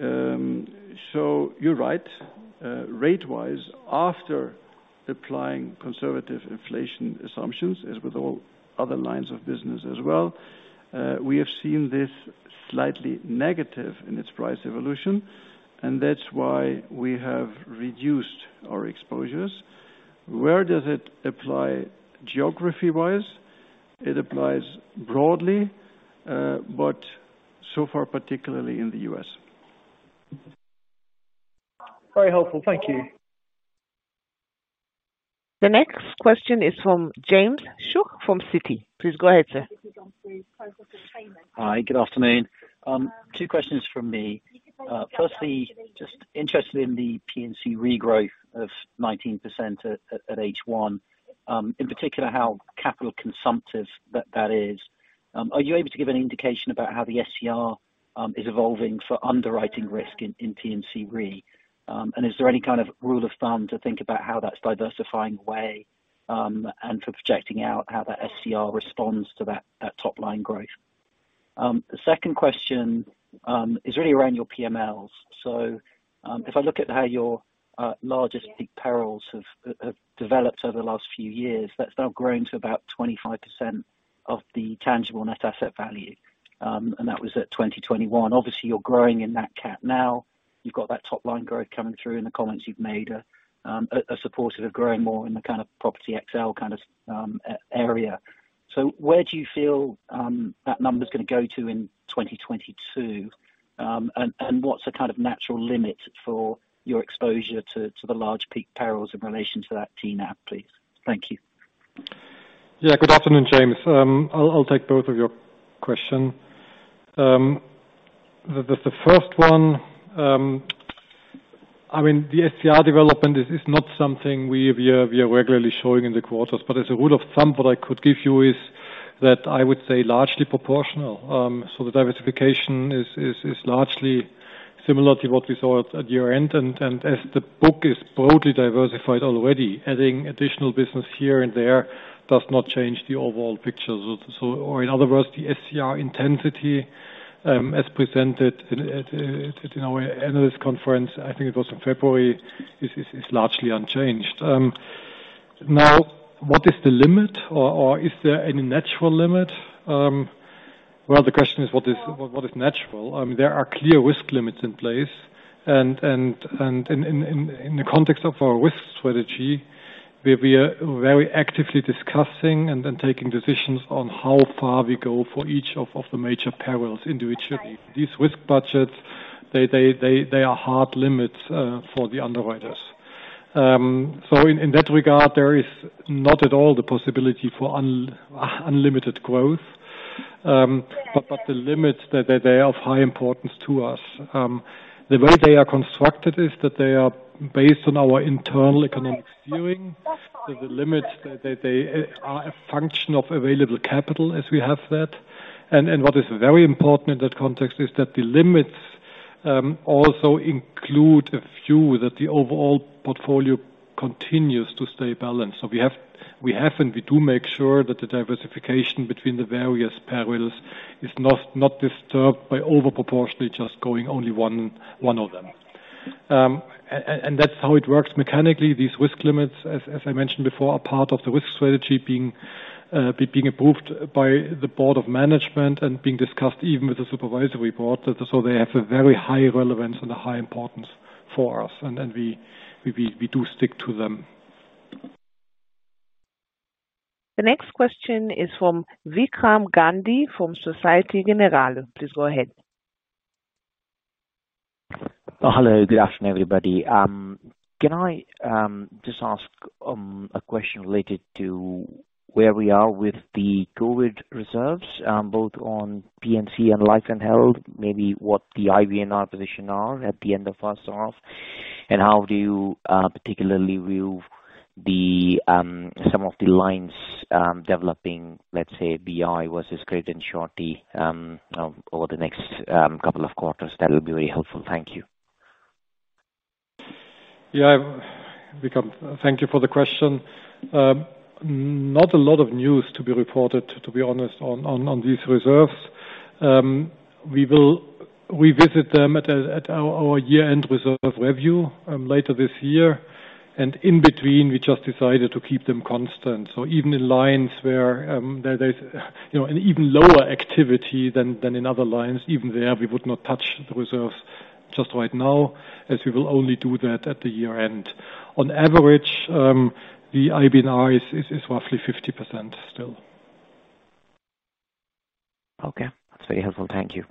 You're right. Rate-wise, after applying conservative inflation assumptions, as with all other lines of business as well, we have seen this slightly negative in its price evolution, and that's why we have reduced our exposures. Where does it apply geography-wise? It applies broadly, but so far, particularly in the U.S. Very helpful. Thank you. The next question is from James Shuck from Citi. Please go ahead, sir. Hi, good afternoon. Two questions from me. Firstly, just interested in the P&C growth of 19% at H1. In particular, how capital consumptive that is. Are you able to give an indication about how the SCR is evolving for underwriting risk in P&C Re? And is there any kind of rule of thumb to think about how that's diversifying away, and for projecting out how that SCR responds to that top-line growth? The second question is really around your PMLs. If I look at how your largest big perils have developed over the last few years, that's now grown to about 25% of the tangible net asset value, and that was at 2021. Obviously, you're growing in NatCat now. You've got that top-line growth coming through in the comments you've made are supportive of growing more in the kind of Property XL kind of area. Where do you feel that number's gonna go to in 2022? What's the kind of natural limit for your exposure to the large peak perils in relation to that TNAV, please? Thank you. Yeah, good afternoon, James. I'll take both of your questions. The first one, I mean, the SCR development is not something we have here, we are regularly showing in the quarters, but as a rule of thumb, what I could give you is that I would say largely proportional. The diversification is largely similar to what we saw at year-end. As the book is broadly diversified already, adding additional business here and there does not change the overall picture. Or in other words, the SCR intensity, as presented at, you know, our analyst conference, I think it was in February, is largely unchanged. Now, what is the limit or is there any natural limit? Well, the question is what is natural? I mean, there are clear risk limits in place. In the context of our risk strategy, we are very actively discussing and then taking decisions on how far we go for each of the major perils individually. These risk budgets, they are hard limits for the underwriters. In that regard, there is not at all the possibility for unlimited growth. The limits they are of high importance to us. The way they are constructed is that they are based on our internal economic view. The limits they are a function of available capital as we have that. What is very important in that context is that the limits also include a view that the overall portfolio continues to stay balanced. We have and we do make sure that the diversification between the various perils is not disturbed by over-proportionately just going only one of them. And that's how it works mechanically. These risk limits, as I mentioned before, are part of the risk strategy being approved by the board of management and being discussed even with the supervisory board. They have a very high relevance and a high importance for us. We do stick to them. The next question is from Vikram Gandhi from Société Générale. Please go ahead. Hello. Good afternoon, everybody. Can I just ask a question related to where we are with the COVID reserves, both on P&C and Life & Health, maybe what the IBNR position are at the end of first half? How do you particularly view some of the lines developing, let's say, BI versus credit and surety over the next couple of quarters? That would be very helpful. Thank you. Yeah. Vikram, thank you for the question. Not a lot of news to be reported, to be honest, on these reserves. We will revisit them at our year-end reserve review later this year. In between, we just decided to keep them constant. Even in lines where there's, you know, an even lower activity than in other lines, even there, we would not touch the reserves just right now, as we will only do that at the year-end. On average, the IBNR is roughly 50% still. Okay. That's very helpful. Thank you.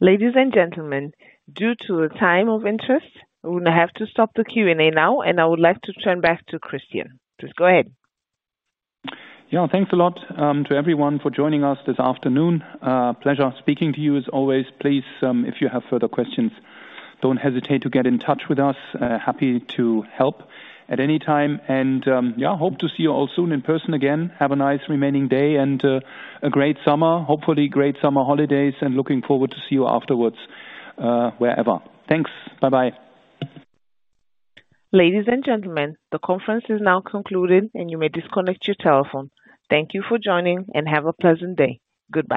Ladies and gentlemen, due to the time constraints, we're gonna have to stop the Q&A now, and I would like to turn back to Christian. Please go ahead. Yeah. Thanks a lot to everyone for joining us this afternoon. Pleasure speaking to you as always. Please, if you have further questions, don't hesitate to get in touch with us. Happy to help at any time. Yeah, hope to see you all soon in person again. Have a nice remaining day and a great summer. Hopefully, great summer holidays, and looking forward to see you afterwards, wherever. Thanks. Bye-bye. Ladies and gentlemen, the conference is now concluded, and you may disconnect your telephone. Thank you for joining, and have a pleasant day. Goodbye.